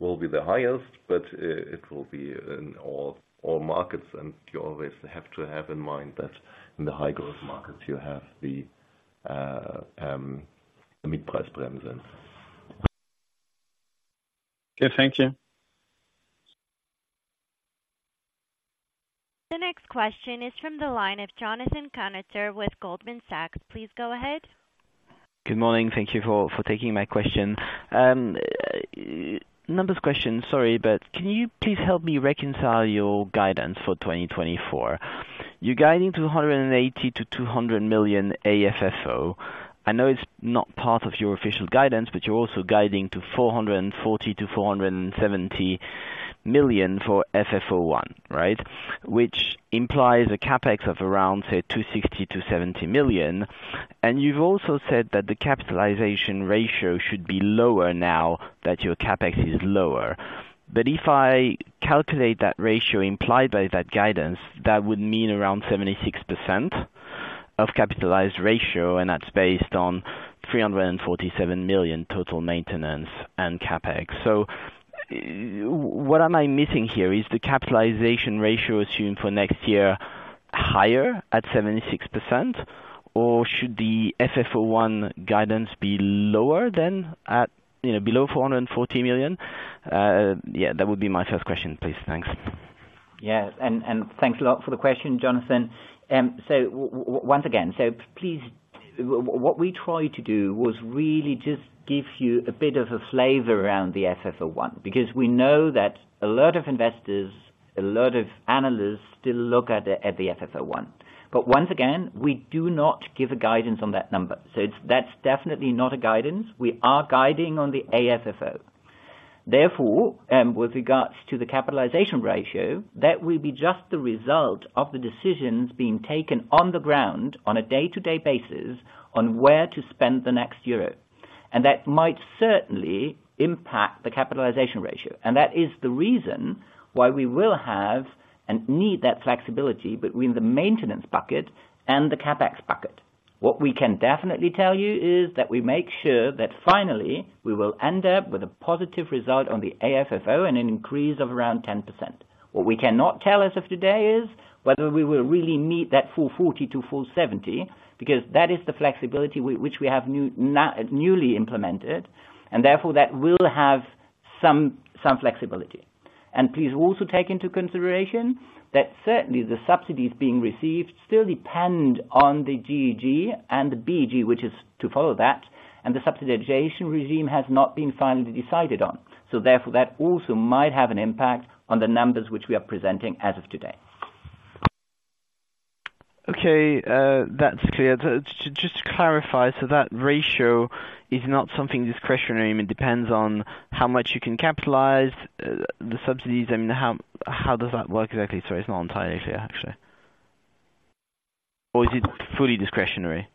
the highest, but it will be in all markets, and you always have to have in mind that in the high growth markets, you have the mid-price brands then. Okay, thank you. The next question is from the line of Jonathan Kownator with Goldman Sachs. Please go ahead. Good morning. Thank you for taking my question. Numbers question, sorry, but can you please help me reconcile your guidance for 2024? You're guiding to 180 million-200 million AFFO. I know it's not part of your official guidance, but you're also guiding to 440 million-470 million for FFO I, right? Which implies a CapEx of around, say, 260 million-270 million, and you've also said that the capitalization ratio should be lower now that your CapEx is lower. But if I calculate that ratio implied by that guidance, that would mean around 76% of capitalized ratio, and that's based on 347 million total maintenance and CapEx. So, what am I missing here? Is the capitalization ratio assumed for next year higher at 76%, or should the FFO one guidance be lower than at, you know, below 440 million? Yeah, that would be my first question, please. Thanks. Yeah, and, and thanks a lot for the question, Jonathan. So once again, so please, what we try to do was really just give you a bit of a flavor around the FFO I, because we know that a lot of investors, a lot of analysts still look at the, at the FFO I. But once again, we do not give a guidance on that number, so it's. That's definitely not a guidance. We are guiding on the AFFO. Therefore, with regards to the capitalization ratio, that will be just the result of the decisions being taken on the ground on a day-to-day basis, on where to spend the next euro. And that might certainly impact the capitalization ratio. And that is the reason why we will have and need that flexibility between the maintenance bucket and the CapEx bucket. What we can definitely tell you is that we make sure that finally we will end up with a positive result on the AFFO and an increase of around 10%. What we cannot tell as of today is whether we will really meet that full 40 to full 70, because that is the flexibility which we have newly implemented, and therefore that will have some flexibility. And please also take into consideration that certainly the subsidies being received still depend on the GEG and the BEG, which is to follow that, and the subsidization regime has not been finally decided on. So therefore, that also might have an impact on the numbers which we are presenting as of today. Okay, that's clear. To just clarify, so that ratio is not something discretionary. It depends on how much you can capitalize the subsidies. I mean, how does that work exactly? Sorry, it's not entirely clear, actually. Or is it fully discretionary?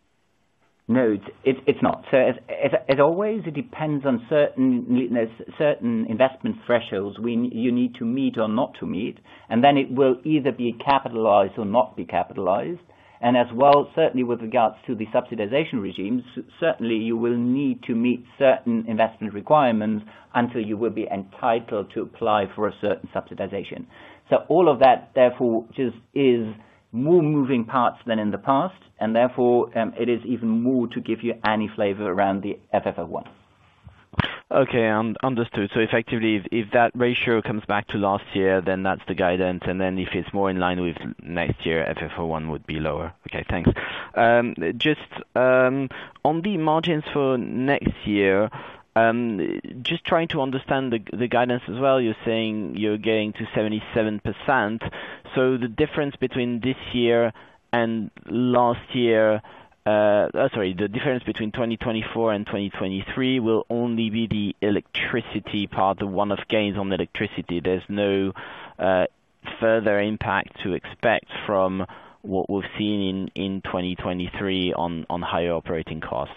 No, it's not. So as always, it depends on certain investment thresholds you need to meet or not to meet, and then it will either be capitalized or not be capitalized. And as well, certainly with regards to the subsidization regime, certainly you will need to meet certain investment requirements until you will be entitled to apply for a certain subsidization. So all of that, therefore, just is more moving parts than in the past, and therefore, it is even more to give you any flavor around the FFO one. Okay, understood. So effectively, if that ratio comes back to last year, then that's the guidance, and then if it's more in line with next year, FFO I would be lower. Okay, thanks. Just on the margins for next year, just trying to understand the guidance as well, you're saying you're getting to 77%. So the difference between this year and last year, sorry, the difference between 2024 and 2023, will only be the electricity part, the one-off gains on the electricity. There's no further impact to expect from what we've seen in 2023 on higher operating costs?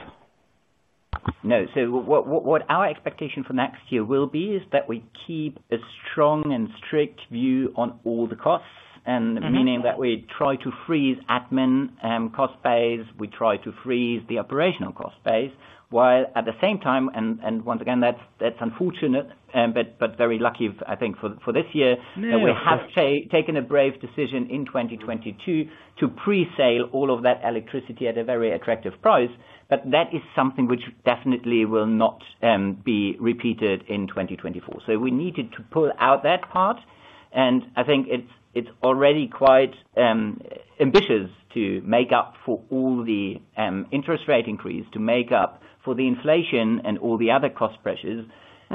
No. So what our expectation for next year will be, is that we keep a strong and strict view on all the costs, and- Mm-hmm. - meaning that we try to freeze admin cost base, we try to freeze the operational cost base, while at the same time, and once again, that's unfortunate, but very lucky, I think for this year- Yeah. We have taken a brave decision in 2022 to pre-sale all of that electricity at a very attractive price. But that is something which definitely will not be repeated in 2024. So we needed to pull out that part, and I think it's already quite ambitious to make up for all the interest rate increase, to make up for the inflation and all the other cost pressures-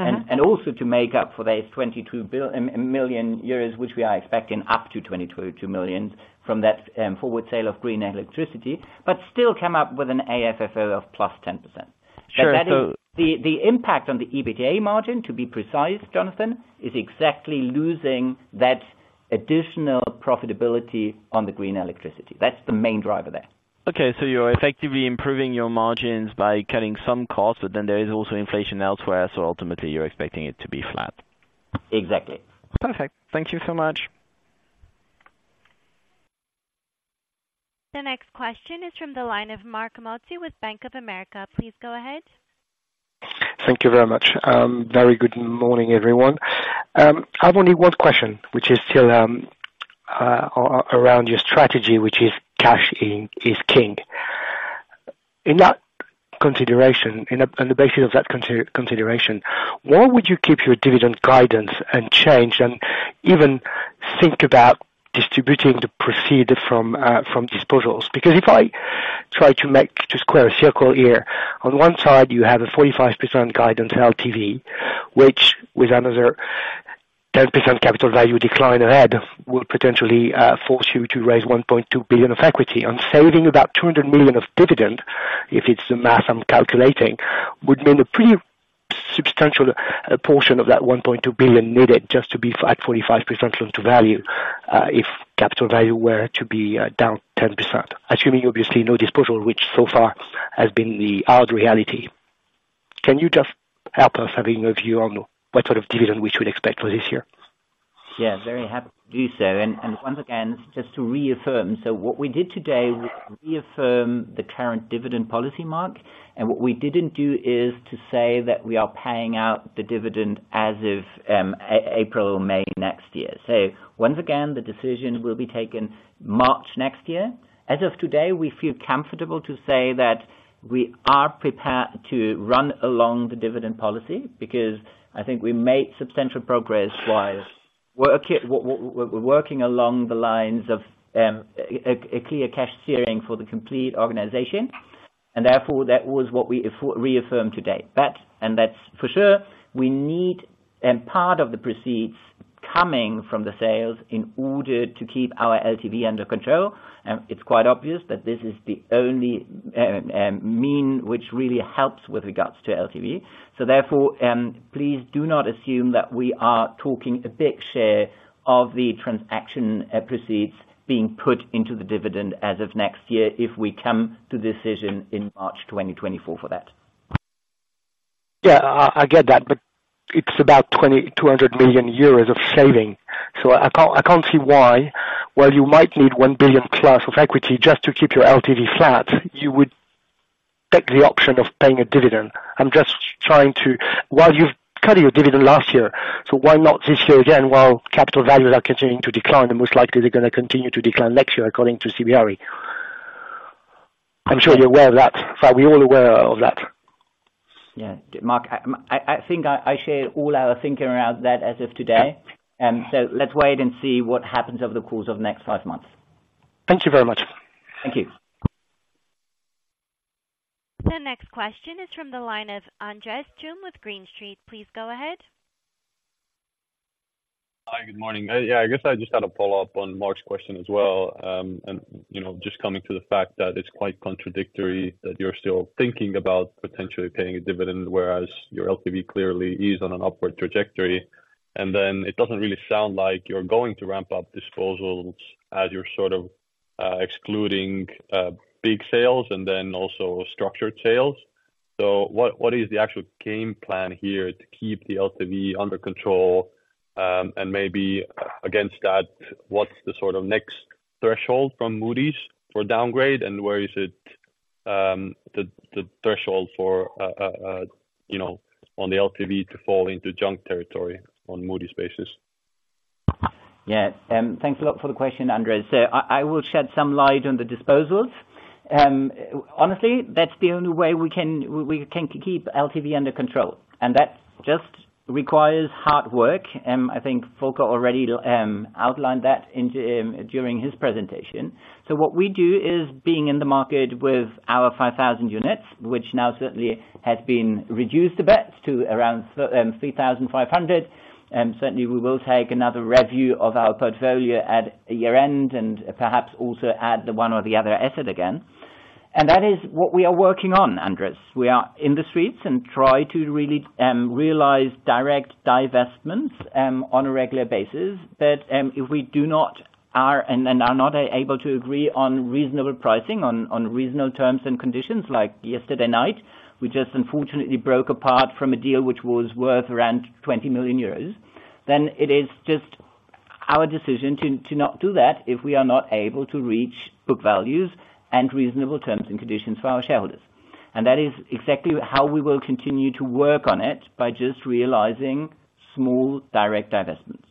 Mm-hmm. and also to make up for that 22 billion euros, which we are expecting up to 22 million EUR from that forward sale of green electricity, but still come up with an AFFO of +10%. Sure, so- But that is the impact on the EBITDA margin, to be precise, Jonathan, is exactly losing that additional profitability on the green electricity. That's the main driver there. Okay, so you're effectively improving your margins by cutting some costs, but then there is also inflation elsewhere, so ultimately you're expecting it to be flat? Exactly. Perfect. Thank you so much. The next question is from the line of Marcus Quinones with Bank of America. Please go ahead. Thank you very much. Very good morning, everyone. I have only one question, which is still around your strategy, which is cash in is king. In that consideration, on the basis of that consideration, why would you keep your dividend guidance unchanged and even think about distributing the proceeds from disposals? Because if I try to square a circle here, on one side, you have a 45% guidance LTV, which with another 10% capital value decline ahead, will potentially force you to raise 1.2 billion of equity. On saving about 200 million of dividend, if it's the math I'm calculating, would mean a pretty substantial portion of that 1.2 billion needed just to be at 45% loan to value, if capital value were to be down 10%. Assuming obviously no disposal, which so far has been the hard reality. Can you just help us having a view on what sort of dividend we should expect for this year? Yeah, very happy to do so. And once again, just to reaffirm, so what we did today, we reaffirmed the current dividend policy, Mark, and what we didn't do is to say that we are paying out the dividend as of April or May next year. So once again, the decision will be taken March next year. As of today, we feel comfortable to say that we are prepared to run along the dividend policy, because I think we made substantial progress wise. We're working along the lines of a clear cash steering for the complete organization, and therefore, that was what we reaffirmed today. That, and that's for sure, we need, and part of the proceeds coming from the sales in order to keep our LTV under control, and it's quite obvious that this is the only means which really helps with regards to LTV. So therefore, please do not assume that we are talking a big share of the transaction proceeds being put into the dividend as of next year, if we come to decision in March 2024 for that. Yeah, I, I get that, but it's about 2,200 million euros of saving, so I can't, I can't see why, while you might need 1 billion+ of equity just to keep your LTV flat, you would take the option of paying a dividend. I'm just trying to... While you've cut your dividend last year, so why not this year again, while capital values are continuing to decline and most likely they're gonna continue to decline next year according to CBRE? I'm sure you're aware of that, so we're all aware of that. Yeah. Mark, I think I share all our thinking around that as of today. Yeah. Let's wait and see what happens over the course of the next five months. Thank you very much. Thank you. The next question is from the line of Andres Toome with Green Street. Please go ahead. Hi, good morning. Yeah, I guess I just had to follow up on Mark's question as well. And, you know, just coming to the fact that it's quite contradictory that you're still thinking about potentially paying a dividend, whereas your LTV clearly is on an upward trajectory. And then it doesn't really sound like you're going to ramp up disposals as you're sort of excluding big sales and then also structured sales. So what, what is the actual game plan here to keep the LTV under control? And maybe against that, what's the sort of next threshold from Moody's for downgrade, and where is it the threshold for you know, on the LTV to fall into junk territory on Moody's basis? Yeah. Thanks a lot for the question, Andres. So I will shed some light on the disposals. Honestly, that's the only way we can keep LTV under control, and that just requires hard work. I think Volker already outlined that during his presentation. So what we do is being in the market with our 5,000 units, which now certainly has been reduced a bit to around 3,500, and certainly we will take another review of our portfolio at year end, and perhaps also add the one or the other asset again. And that is what we are working on, Andres. We are in the streets and try to really realize direct divestments on a regular basis. If we do not and then are not able to agree on reasonable pricing, on reasonable terms and conditions, like yesterday night, we just unfortunately broke apart from a deal which was worth around 20 million euros, then it is just our decision to not do that, if we are not able to reach book values and reasonable terms and conditions for our shareholders. And that is exactly how we will continue to work on it, by just realizing small, direct divestments.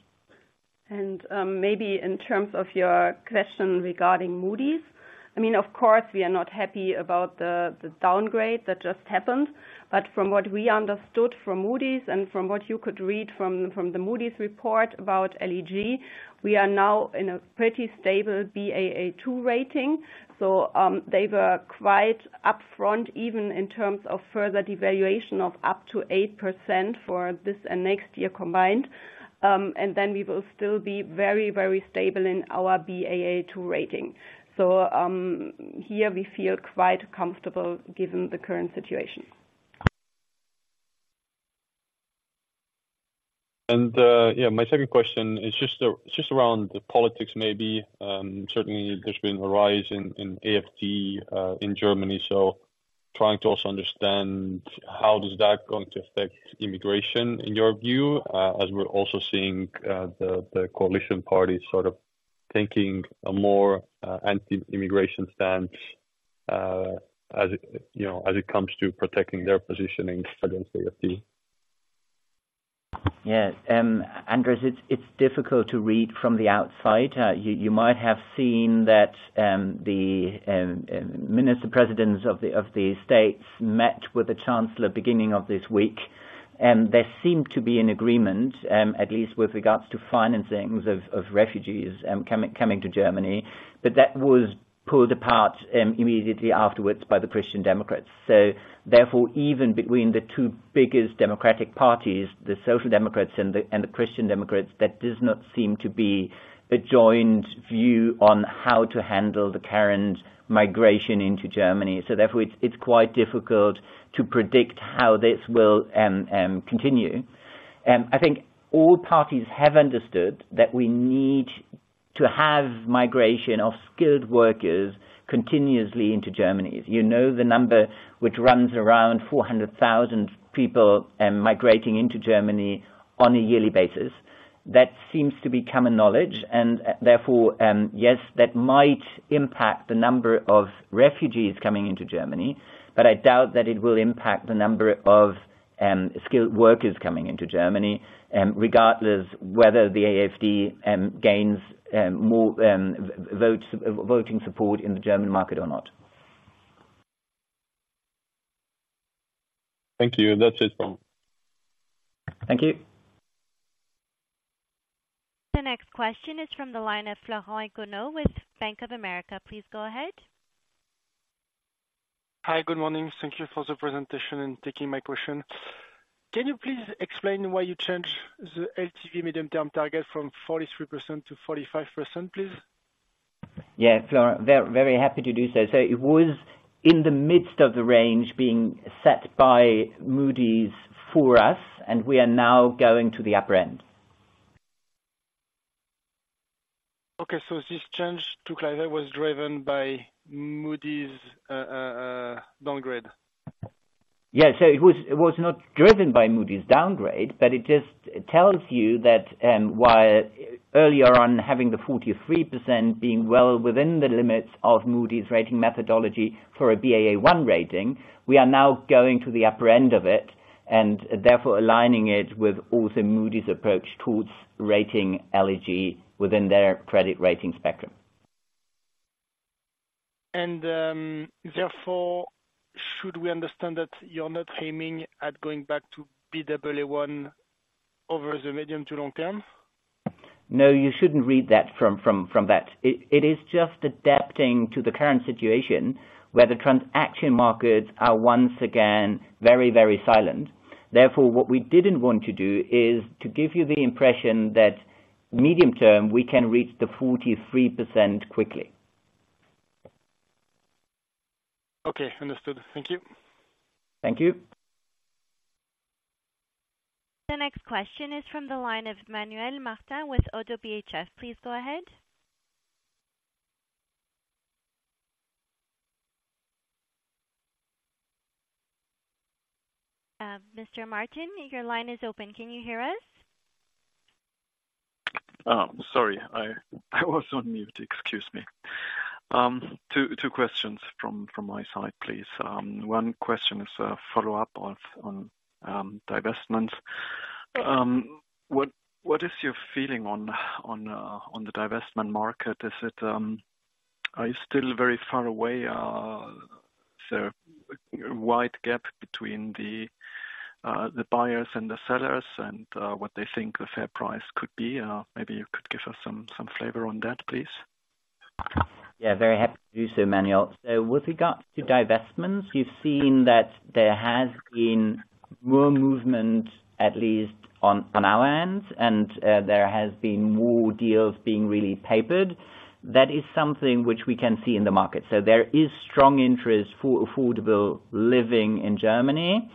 Maybe in terms of your question regarding Moody's, I mean, of course, we are not happy about the downgrade that just happened, but from what we understood from Moody's and from what you could read from the Moody's report about LEG, we are now in a pretty stable Baa2 rating. So, they were quite upfront, even in terms of further devaluation of up to 8% for this and next year combined. And then we will still be very, very stable in our Baa2 rating. So, here we feel quite comfortable given the current situation.... And, yeah, my second question is just around the politics maybe. Certainly there's been a rise in AfD in Germany, so trying to also understand how does that going to affect immigration in your view, as we're also seeing the coalition parties sort of taking a more anti-immigration stance, as it, you know, as it comes to protecting their positioning against the AfD? Yeah. Andres, it's difficult to read from the outside. You might have seen that the minister presidents of the states met with the chancellor beginning of this week, and there seemed to be an agreement, at least with regards to financings of refugees coming to Germany. But that was pulled apart immediately afterwards by the Christian Democrats. So therefore, even between the two biggest democratic parties, the Social Democrats and the Christian Democrats, that does not seem to be a joined view on how to handle the current migration into Germany. So therefore, it's quite difficult to predict how this will continue. I think all parties have understood that we need to have migration of skilled workers continuously into Germany. You know, the number which runs around 400,000 people migrating into Germany on a yearly basis. That seems to be common knowledge, and, therefore, yes, that might impact the number of refugees coming into Germany, but I doubt that it will impact the number of skilled workers coming into Germany, regardless whether the AfD gains more votes, voting support in the German market or not. Thank you, and that's it from- Thank you. The next question is from the line of Florent Counneau with Bank of America. Please go ahead. Hi, good morning. Thank you for the presentation and taking my question. Can you please explain why you changed the LTV medium-term target from 43% to 45%, please? Yeah, Florent, very, very happy to do so. So it was in the midst of the range being set by Moody's for us, and we are now going to the upper end. Okay, so this change was driven by Moody's downgrade? Yeah. So it was, it was not driven by Moody's downgrade, but it just tells you that, while earlier on, having the 43% being well within the limits of Moody's rating methodology for a Baa1 rating, we are now going to the upper end of it, and therefore aligning it with also Moody's approach towards rating LEG within their credit rating spectrum. And, therefore, should we understand that you're not aiming at going back to Baa1 over the medium to long term? No, you shouldn't read that from that. It is just adapting to the current situation, where the transaction markets are once again very, very silent. Therefore, what we didn't want to do is to give you the impression that medium term, we can reach the 43% quickly. Okay. Understood. Thank you. Thank you. The next question is from the line of Manuel Martin with ODDO BHF. Please go ahead. Mr. Martin, your line is open. Can you hear us? Oh, sorry, I was on mute. Excuse me. Two questions from my side, please. One question is a follow-up on divestments. What is your feeling on the divestment market? Is it are you still very far away, so wide gap between the buyers and the sellers, and what they think a fair price could be? Maybe you could give us some flavor on that, please. Yeah, very happy to do so, Manuel. So with regards to divestments, you've seen that there has been more movement, at least on our end, and there has been more deals being really papered. That is something which we can see in the market. So there is strong interest for affordable living in Germany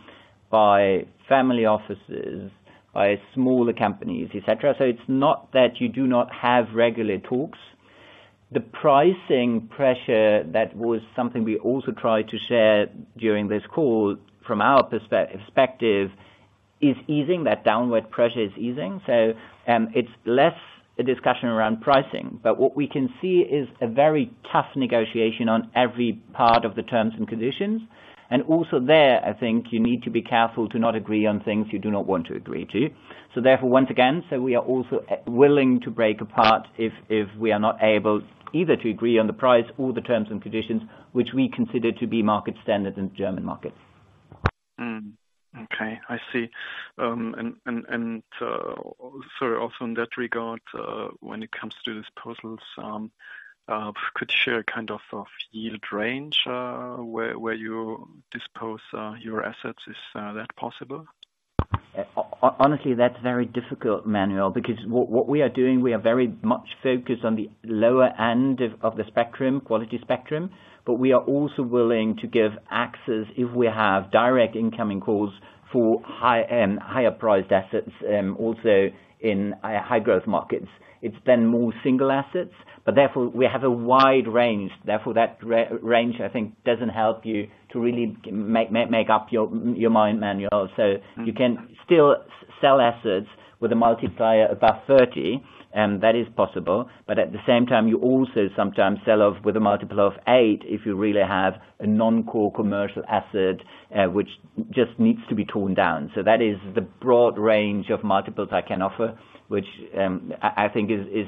by family offices, by smaller companies, et cetera. So it's not that you do not have regular talks. The pricing pressure, that was something we also tried to share during this call from our perspective, is easing, that downward pressure is easing, so it's less a discussion around pricing. But what we can see is a very tough negotiation on every part of the terms and conditions, and also there, I think you need to be careful to not agree on things you do not want to agree to. Therefore, once again, we are also willing to break apart if we are not able either to agree on the price or the terms and conditions which we consider to be market standard in the German market. Hmm, okay, I see. And so also in that regard, when it comes to disposals, could you share kind of of yield range where you dispose your assets? Is that possible?... Honestly, that's very difficult, Manuel, because what we are doing, we are very much focused on the lower end of the spectrum, quality spectrum, but we are also willing to give access if we have direct incoming calls for high end, higher priced assets, also in high growth markets. It's been more single assets, but therefore we have a wide range. Therefore, that range, I think, doesn't help you to really make up your mind, Manuel. So you can still sell assets with a multiplier above 30, and that is possible. But at the same time, you also sometimes sell off with a multiple of 8, if you really have a non-core commercial asset, which just needs to be torn down. So that is the broad range of multiples I can offer, which I think is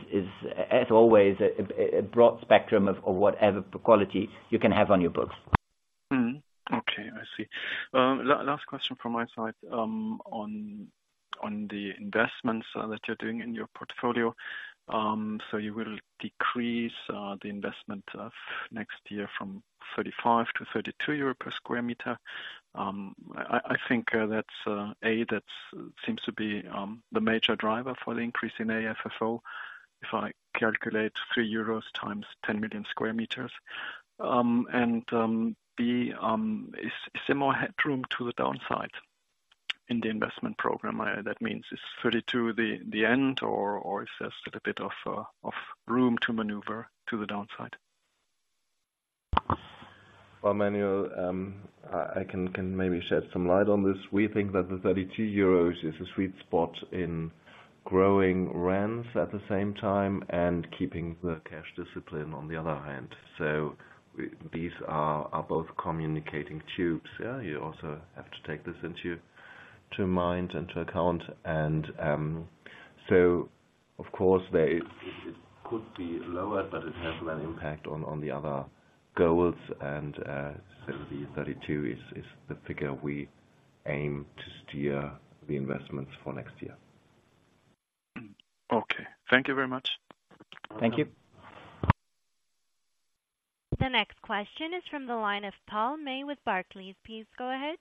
at always a broad spectrum of whatever quality you can have on your books. Mm-hmm. Okay, I see. Last question from my side, on the investments that you're doing in your portfolio. So you will decrease the investment of next year from 35-32 euro per sq m. I think that's A, that seems to be the major driver for the increase in AFFO, if I calculate 3 euros times 10 million sq m. And B, is there more headroom to the downside in the investment program? That means, is 32 the end, or is there still a bit of room to maneuver to the downside? Well, Manuel, I can maybe shed some light on this. We think that the 32 euros is a sweet spot in growing rents at the same time, and keeping the cash discipline on the other hand. So these are both communicating tubes, yeah? You also have to take this into mind and account, so of course, it could be lower, but it has an impact on the other goals. So the EUR 32 is the figure we aim to steer the investments for next year. Okay. Thank you very much. Thank you. The next question is from the line of Paul May with Barclays. Please go ahead.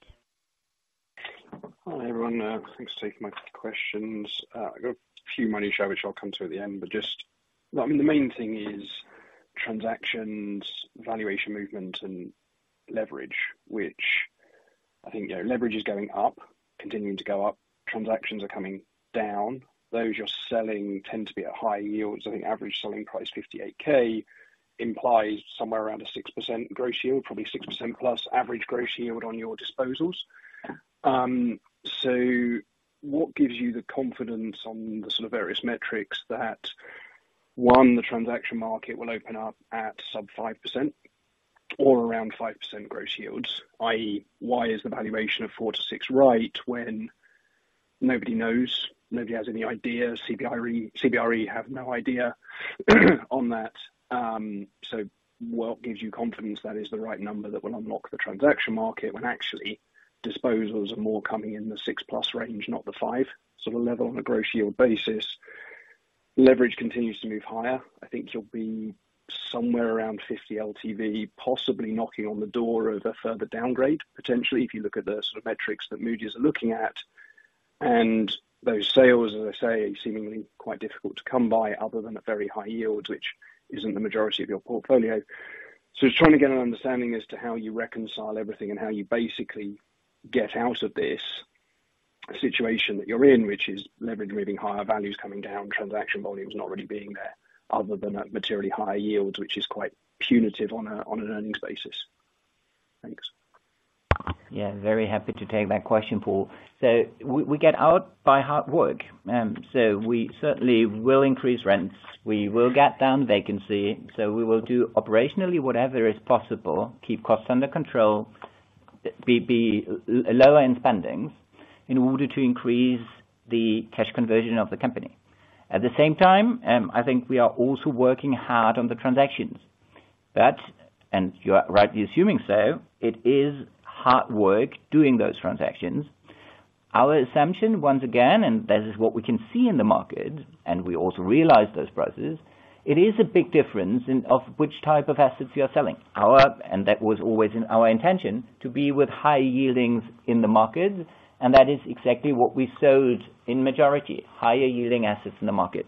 Hi, everyone, thanks for taking my questions. I got a few more, which I'll come to at the end. But just... Well, I mean, the main thing is transactions, valuation movement, and leverage, which I think, you know, leverage is going up, continuing to go up. Transactions are coming down. Those you're selling tend to be at higher yields. I think average selling price, 58K, implies somewhere around a 6% gross yield, probably 6%+ average gross yield on your disposals. So what gives you the confidence on the sort of various metrics that, one, the transaction market will open up at sub-5% or around 5% gross yields, i.e., why is the valuation of 4%-6% right when nobody knows, nobody has any idea, CBRE, CBRE have no idea, on that? So what gives you confidence that is the right number that will unlock the transaction market, when actually disposals are more coming in the 6+ range, not the 5, sort of level on a gross yield basis? Leverage continues to move higher. I think you'll be somewhere around 50 LTV, possibly knocking on the door of a further downgrade, potentially, if you look at the sort of metrics that Moody's is looking at. And those sales, as I say, seemingly quite difficult to come by, other than at very high yields, which isn't the majority of your portfolio. Just trying to get an understanding as to how you reconcile everything, and how you basically get out of this situation that you're in, which is leverage moving higher, values coming down, transaction volumes not really being there, other than at materially higher yields, which is quite punitive on an earnings basis. Thanks. Yeah, very happy to take that question, Paul. So we get out by hard work, so we certainly will increase rents. We will get down vacancy, so we will do operationally whatever is possible, keep costs under control, lower spending, in order to increase the cash conversion of the company. At the same time, I think we are also working hard on the transactions. That, and you are rightly assuming so, it is hard work doing those transactions. Our assumption, once again, and this is what we can see in the market, and we also realize those prices, it is a big difference in, of which type of assets you are selling. Our, and that was always in our intention, to be with high-yielding in the market, and that is exactly what we sold in majority, higher-yielding assets in the market.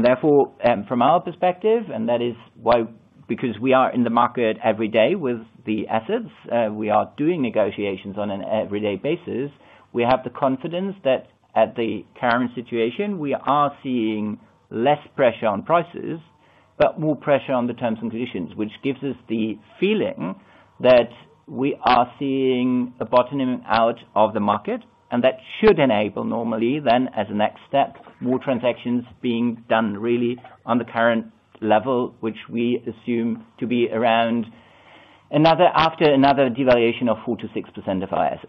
Therefore, from our perspective, and that is why, because we are in the market every day with the assets, we are doing negotiations on an everyday basis, we have the confidence that at the current situation, we are seeing less pressure on prices, but more pressure on the terms and conditions. Which gives us the feeling that we are seeing a bottoming out of the market, and that should enable normally then, as a next step, more transactions being done really on the current level, which we assume to be around another, after another devaluation of 4%-6% of our assets.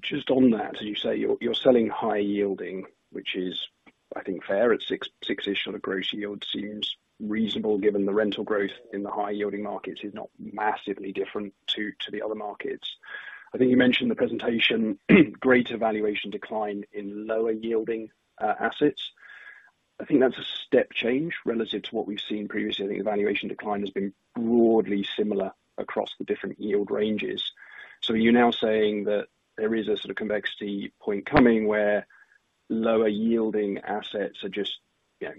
Just on that, you say you're selling high yielding, which is, I think, fair, at 6, 6-ish on a Gross Yield seems reasonable, given the rental growth in the high-yielding markets is not massively different to the other markets. I think you mentioned the presentation, greater valuation decline in lower-yielding assets. I think that's a step change relative to what we've seen previously. I think the valuation decline has been broadly similar across the different yield ranges. So you're now saying that there is a sort of convexity point coming, where lower yielding assets are just, you know,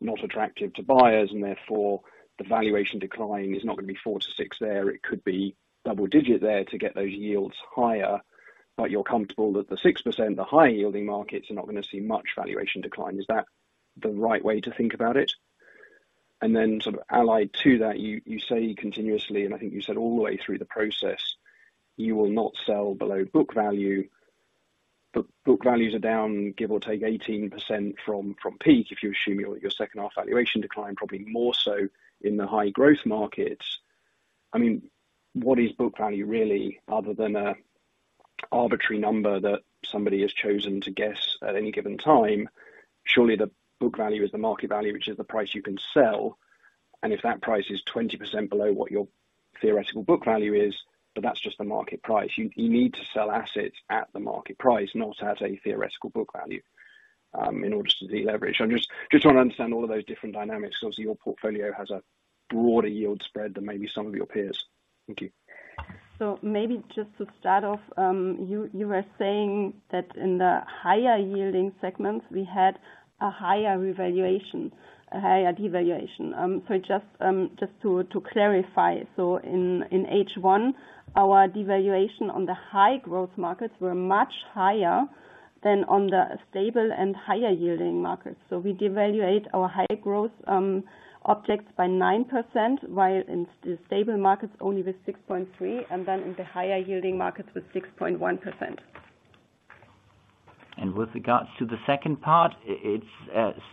not attractive to buyers, and therefore the valuation decline is not gonna be 4-6 there, it could be double-digit there to get those yields higher. But you're comfortable that the 6%, the high yielding markets, are not gonna see much valuation decline. Is that the right way to think about it? And then sort of allied to that, you say continuously, and I think you said all the way through the process, you will not sell below book value. But book values are down, give or take, 18% from peak, if you assume your second half valuation decline, probably more so in the high growth markets. I mean, what is book value really, other than an arbitrary number that somebody has chosen to guess at any given time? Surely the book value is the market value, which is the price you can sell, and if that price is 20% below what your theoretical book value is, but that's just the market price. You need to sell assets at the market price, not at a theoretical book value, in order to deleverage. I'm just trying to understand all of those different dynamics, because obviously your portfolio has a broader yield spread than maybe some of your peers. Thank you. So maybe just to start off, you, you were saying that in the higher yielding segments, we had a higher revaluation, a higher devaluation. So just, just to, to clarify, so in, in H1, our devaluation on the high growth markets were much higher than on the stable and higher yielding markets. So we devaluate our high growth objects by 9%, while in the stable markets only with 6.3, and then in the higher yielding markets with 6.1%. With regards to the second part, it's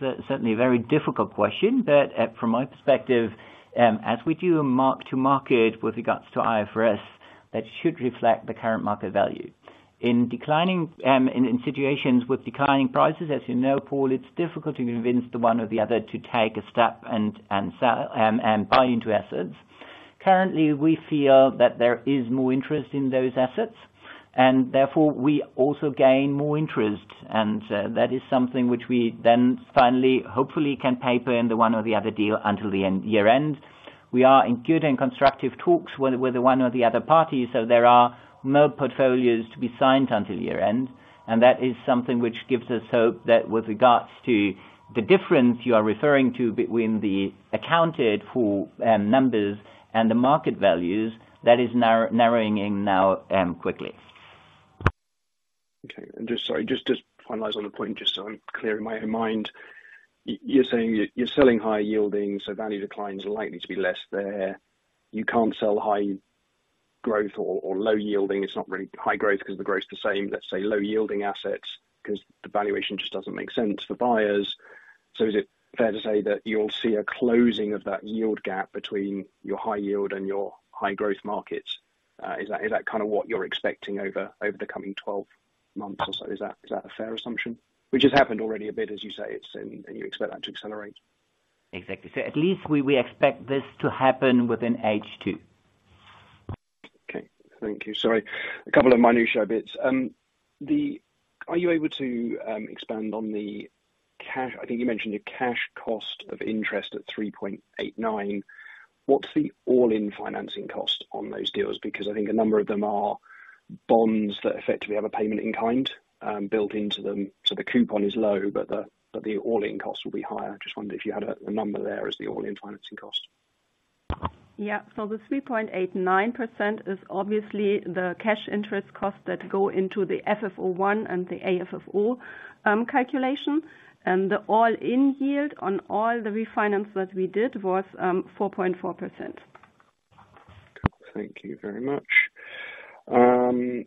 certainly a very difficult question, but from my perspective, as we do a mark to market with regards to IFRS, that should reflect the current market value. In declining situations with declining prices, as you know, Paul, it's difficult to convince the one or the other to take a step and sell and buy into assets. Currently, we feel that there is more interest in those assets, and therefore we also gain more interest, and that is something which we then finally, hopefully can paper in the one or the other deal until the end, year-end. We are in good and constructive talks with the one or the other parties, so there are more portfolios to be signed until the year-end. That is something which gives us hope that with regards to the difference you are referring to between the accounted for numbers and the market values, that is narrowing in now quickly. Okay. And just—sorry, just, just to finalize on the point, just so I'm clear in my own mind. You're saying you're selling high yielding, so value declines are likely to be less there. You can't sell high growth or low yielding. It's not really high growth, because the growth is the same. Let's say low yielding assets, 'cause the valuation just doesn't make sense for buyers. So is it fair to say that you'll see a closing of that yield gap between your high yield and your high growth markets? Is that kind of what you're expecting over the coming twelve months or so? Is that a fair assumption? Which has happened already a bit, as you say, it's, and you expect that to accelerate. Exactly. So at least we expect this to happen within H2. Okay. Thank you. Sorry, a couple of minutiae bits. The... Are you able to expand on the cash? I think you mentioned the cash cost of interest at 3.89. What's the all-in financing cost on those deals? Because I think a number of them are bonds that effectively have a payment in kind built into them. So the coupon is low, but the all-in costs will be higher. Just wondering if you had a number there as the all-in financing cost. Yeah. So the 3.89% is obviously the cash interest costs that go into the FFO I and the AFFO calculation. And the all-in yield on all the refinance that we did was 4.4%. Thank you very much. And,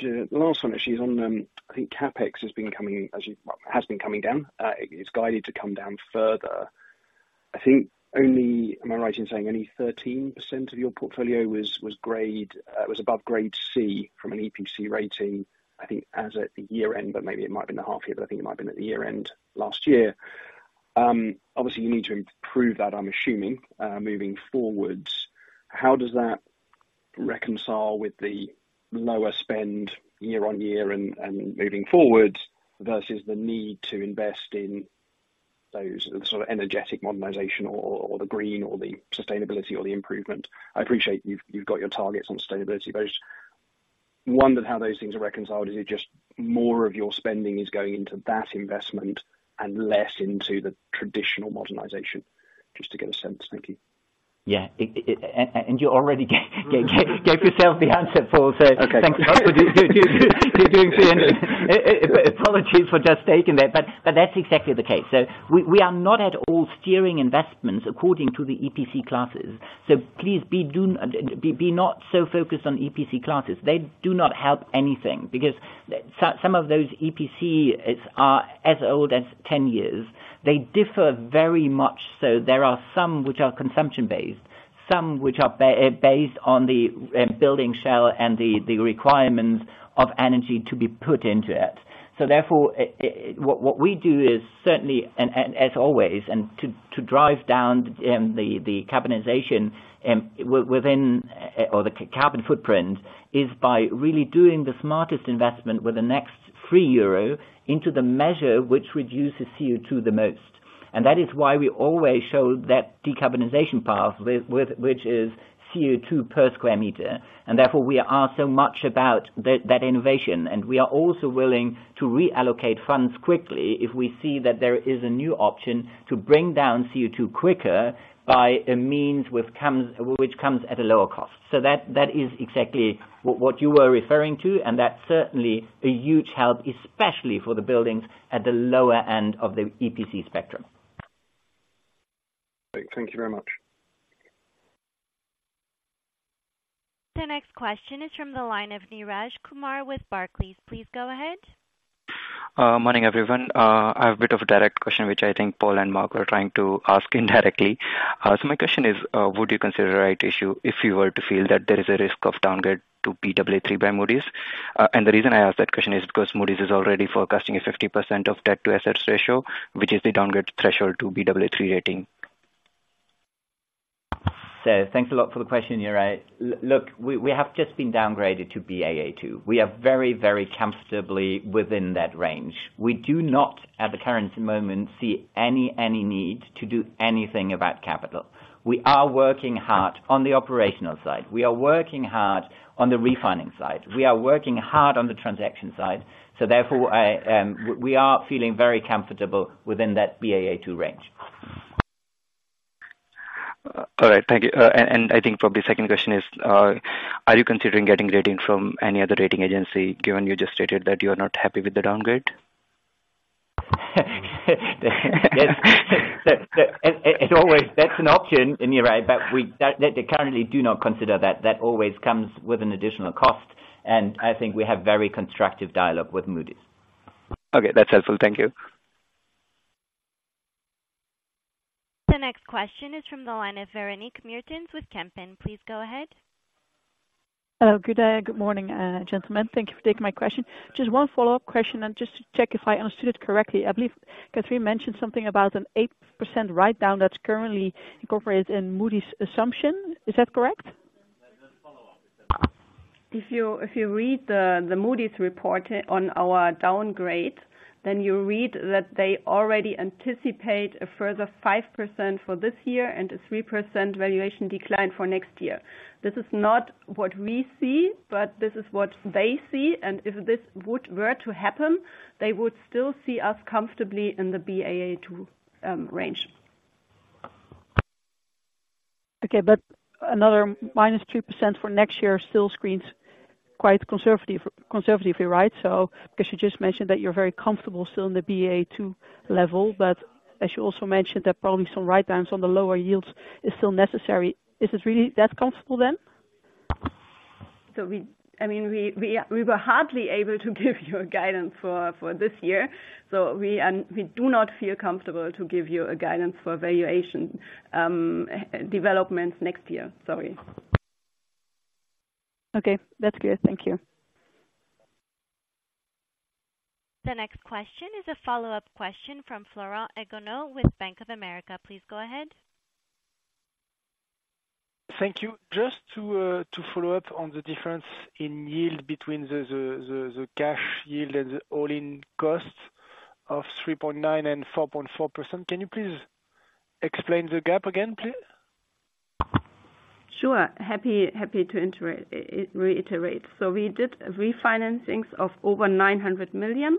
the last one is on, I think CapEx has been coming down. It's guided to come down further. I think only... Am I right in saying any 13% of your portfolio was, was grade, was above grade C from an EPC rating? I think as at the year-end, but maybe it might have been the half year, but I think it might been at the year-end last year. Obviously, you need to improve that, I'm assuming, moving forwards. How does that reconcile with the lower spend year on year and, moving forward, versus the need to invest in those sort of energetic modernization or, the green, or the sustainability, or the improvement? I appreciate you've got your targets on sustainability, but I just wondered how those things are reconciled. Is it just more of your spending is going into that investment and less into the traditional modernization? Just to get a sense. Thank you. Yeah. It and you already gave yourself the answer, Paul, so- Okay. Thank you for doing so. Apologies for just taking that, but that's exactly the case. So we are not at all steering investments according to the EPC classes, so please be not so focused on EPC classes. They do not help anything, because some of those EPCs are as old as 10 years. They differ very much, so there are some which are consumption-based, some which are based on the building shell and the requirements of energy to be put into it. So therefore, what we do is certainly, and as always, and to drive down the decarbonization within or the carbon footprint, is by really doing the smartest investment with the next free EUR into the measure, which reduces CO2 the most. That is why we always show that decarbonization path with which is CO2 per square meter, and therefore, we are so much about that innovation, and we are also willing to reallocate funds quickly if we see that there is a new option to bring down CO2 quicker by a means which comes at a lower cost. So that is exactly what you were referring to, and that's certainly a huge help, especially for the buildings at the lower end of the EPC spectrum. Great. Thank you very much. The next question is from the line of Neeraj Kumar with Barclays. Please go ahead. Morning, everyone. I have a bit of a direct question, which I think Paul and Mark were trying to ask indirectly. So my question is, would you consider a rights issue if you were to feel that there is a risk of downgrade to Baa3 by Moody's? And the reason I ask that question is because Moody's is already forecasting a 50% debt-to-assets ratio, which is the downgrade threshold to Baa3 rating. So thanks a lot for the question, Neeraj. Look, we have just been downgraded to Baa2. We are very, very comfortably within that range. We do not, at the current moment, see any need to do anything about capital. We are working hard on the operational side. We are working hard on the refinancing side. We are working hard on the transaction side, so therefore, we are feeling very comfortable within that Baa2 range. All right. Thank you. And I think probably the second question is, are you considering getting rating from any other rating agency, given you just stated that you are not happy with the downgrade? Yes, so, and always that's an option, and you're right, but we, that they currently do not consider that. That always comes with an additional cost, and I think we have very constructive dialogue with Moody's. Okay, that's helpful. Thank you. The next question is from the line of Veronique Meertens with Kempen. Please go ahead. Good day. Good morning, gentlemen. Thank you for taking my question. Just one follow-up question and just to check if I understood it correctly. I believe Kathrin mentioned something about an 8% write-down that's currently incorporated in Moody's assumption. Is that correct? Yeah, just follow up. If you read the Moody's report on our downgrade, then you read that they already anticipate a further 5% for this year and a 3% valuation decline for next year. This is not what we see, but this is what they see, and if this were to happen, they would still see us comfortably in the Baa2 range. Okay, but another -2% for next year still seems quite conservative, conservative if you're right, so because you just mentioned that you're very comfortable still in the Baa2 level, but as you also mentioned, that probably some write-downs on the lower yields is still necessary. Is it really that comfortable then? So we—I mean, we were hardly able to give you a guidance for this year, so we do not feel comfortable to give you a guidance for valuation developments next year. Sorry. Okay, that's clear. Thank you. The next question is a follow-up question from Florent Counneau with Bank of America. Please go ahead. Thank you. Just to follow up on the difference in yield between the cash yield and the all-in cost of 3.9% and 4.4%, can you please explain the gap again, please? Sure. Happy, happy to reiterate. So we did refinancings of over 900 million,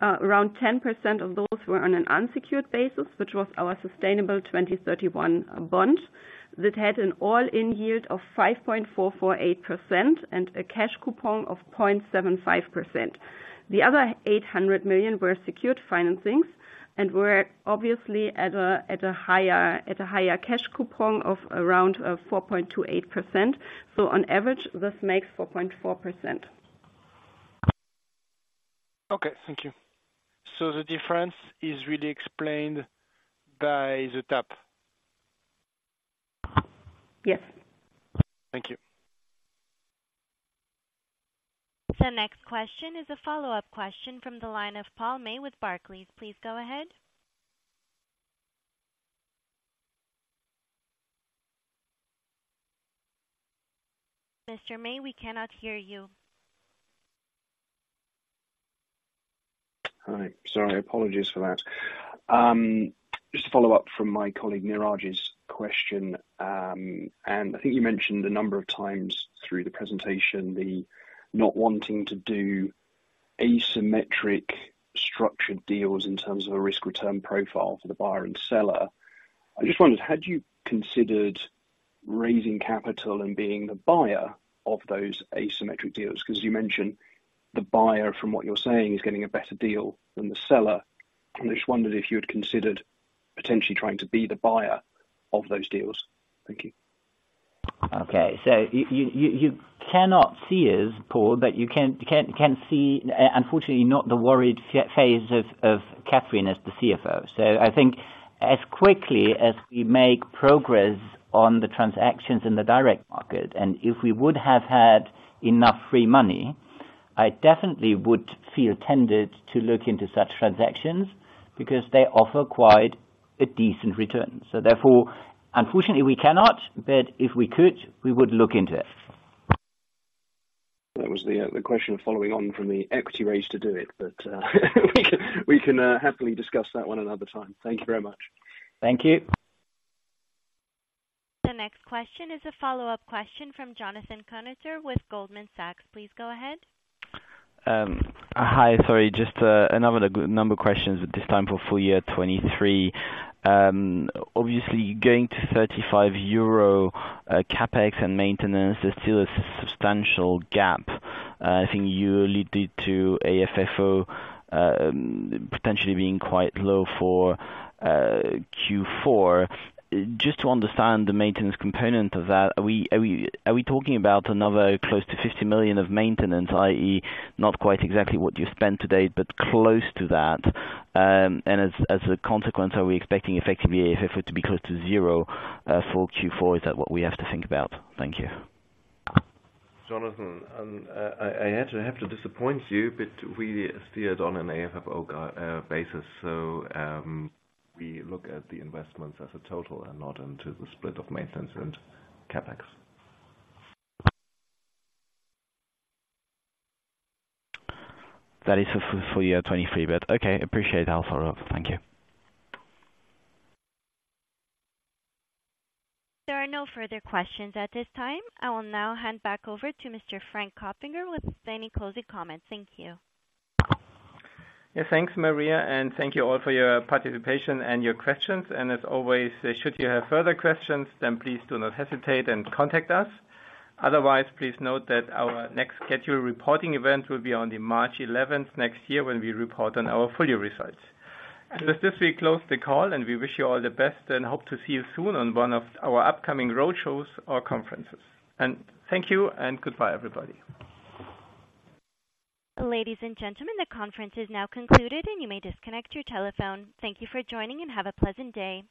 around 10% of those were on an unsecured basis, which was our sustainable 2031 bond, that had an all-in yield of 5.448% and a cash coupon of 0.75%. The other 800 million were secured financings and were obviously at a higher cash coupon of around 4.28%. So on average, this makes 4.4%. Okay, thank you. So the difference is really explained by the tap? Yes. Thank you. The next question is a follow-up question from the line of Paul May with Barclays. Please go ahead. Mr. May, we cannot hear you. Hi. Sorry, apologies for that. Just to follow up from my colleague, Neeraj's question, and I think you mentioned a number of times through the presentation, the not wanting to do asymmetric structured deals in terms of a risk-return profile for the buyer and seller. I just wondered, had you considered raising capital and being the buyer of those asymmetric deals? Because you mentioned the buyer, from what you're saying, is getting a better deal than the seller. I just wondered if you had considered potentially trying to be the buyer of those deals. Thank you. Okay. So you cannot see us, Paul, but you can see, unfortunately, not the worried face of Kathrin as the CFO. So I think as quickly as we make progress on the transactions in the direct market, and if we would have had enough free money, I definitely would feel tempted to look into such transactions, because they offer quite a decent return. So therefore, unfortunately, we cannot, but if we could, we would look into it.... That was the question following on from the equity raise to do it, but we can happily discuss that one another time. Thank you very much. Thank you. The next question is a follow-up question from Jonathan Kownator with Goldman Sachs. Please go ahead. Hi. Sorry, just, another number questions, but this time for full year 2023. Obviously, getting to 35 euro CapEx and maintenance is still a substantial gap. I think you lead it to AFFO, potentially being quite low for Q4. Just to understand the maintenance component of that, are we talking about another close to 50 million of maintenance, i.e., not quite exactly what you spent to date, but close to that? And as a consequence, are we expecting effectively AFFO to be close to zero for Q4? Is that what we have to think about? Thank you. Jonathan, I actually have to disappoint you, but we steered on an AFFO basis. So, we look at the investments as a total and not into the split of maintenance and CapEx. That is for full year 2023, but okay. Appreciate that follow-up. Thank you. There are no further questions at this time. I will now hand back over to Mr. Frank Kopfinger with any closing comments. Thank you. Yeah. Thanks, Maria, and thank you all for your participation and your questions. As always, should you have further questions, then please do not hesitate and contact us. Otherwise, please note that our next scheduled reporting event will be on March 11th next year, when we report on our full year results. With this, we close the call, and we wish you all the best and hope to see you soon on one of our upcoming roadshows or conferences. Thank you and goodbye, everybody. Ladies and gentlemen, the conference is now concluded, and you may disconnect your telephone. Thank you for joining, and have a pleasant day!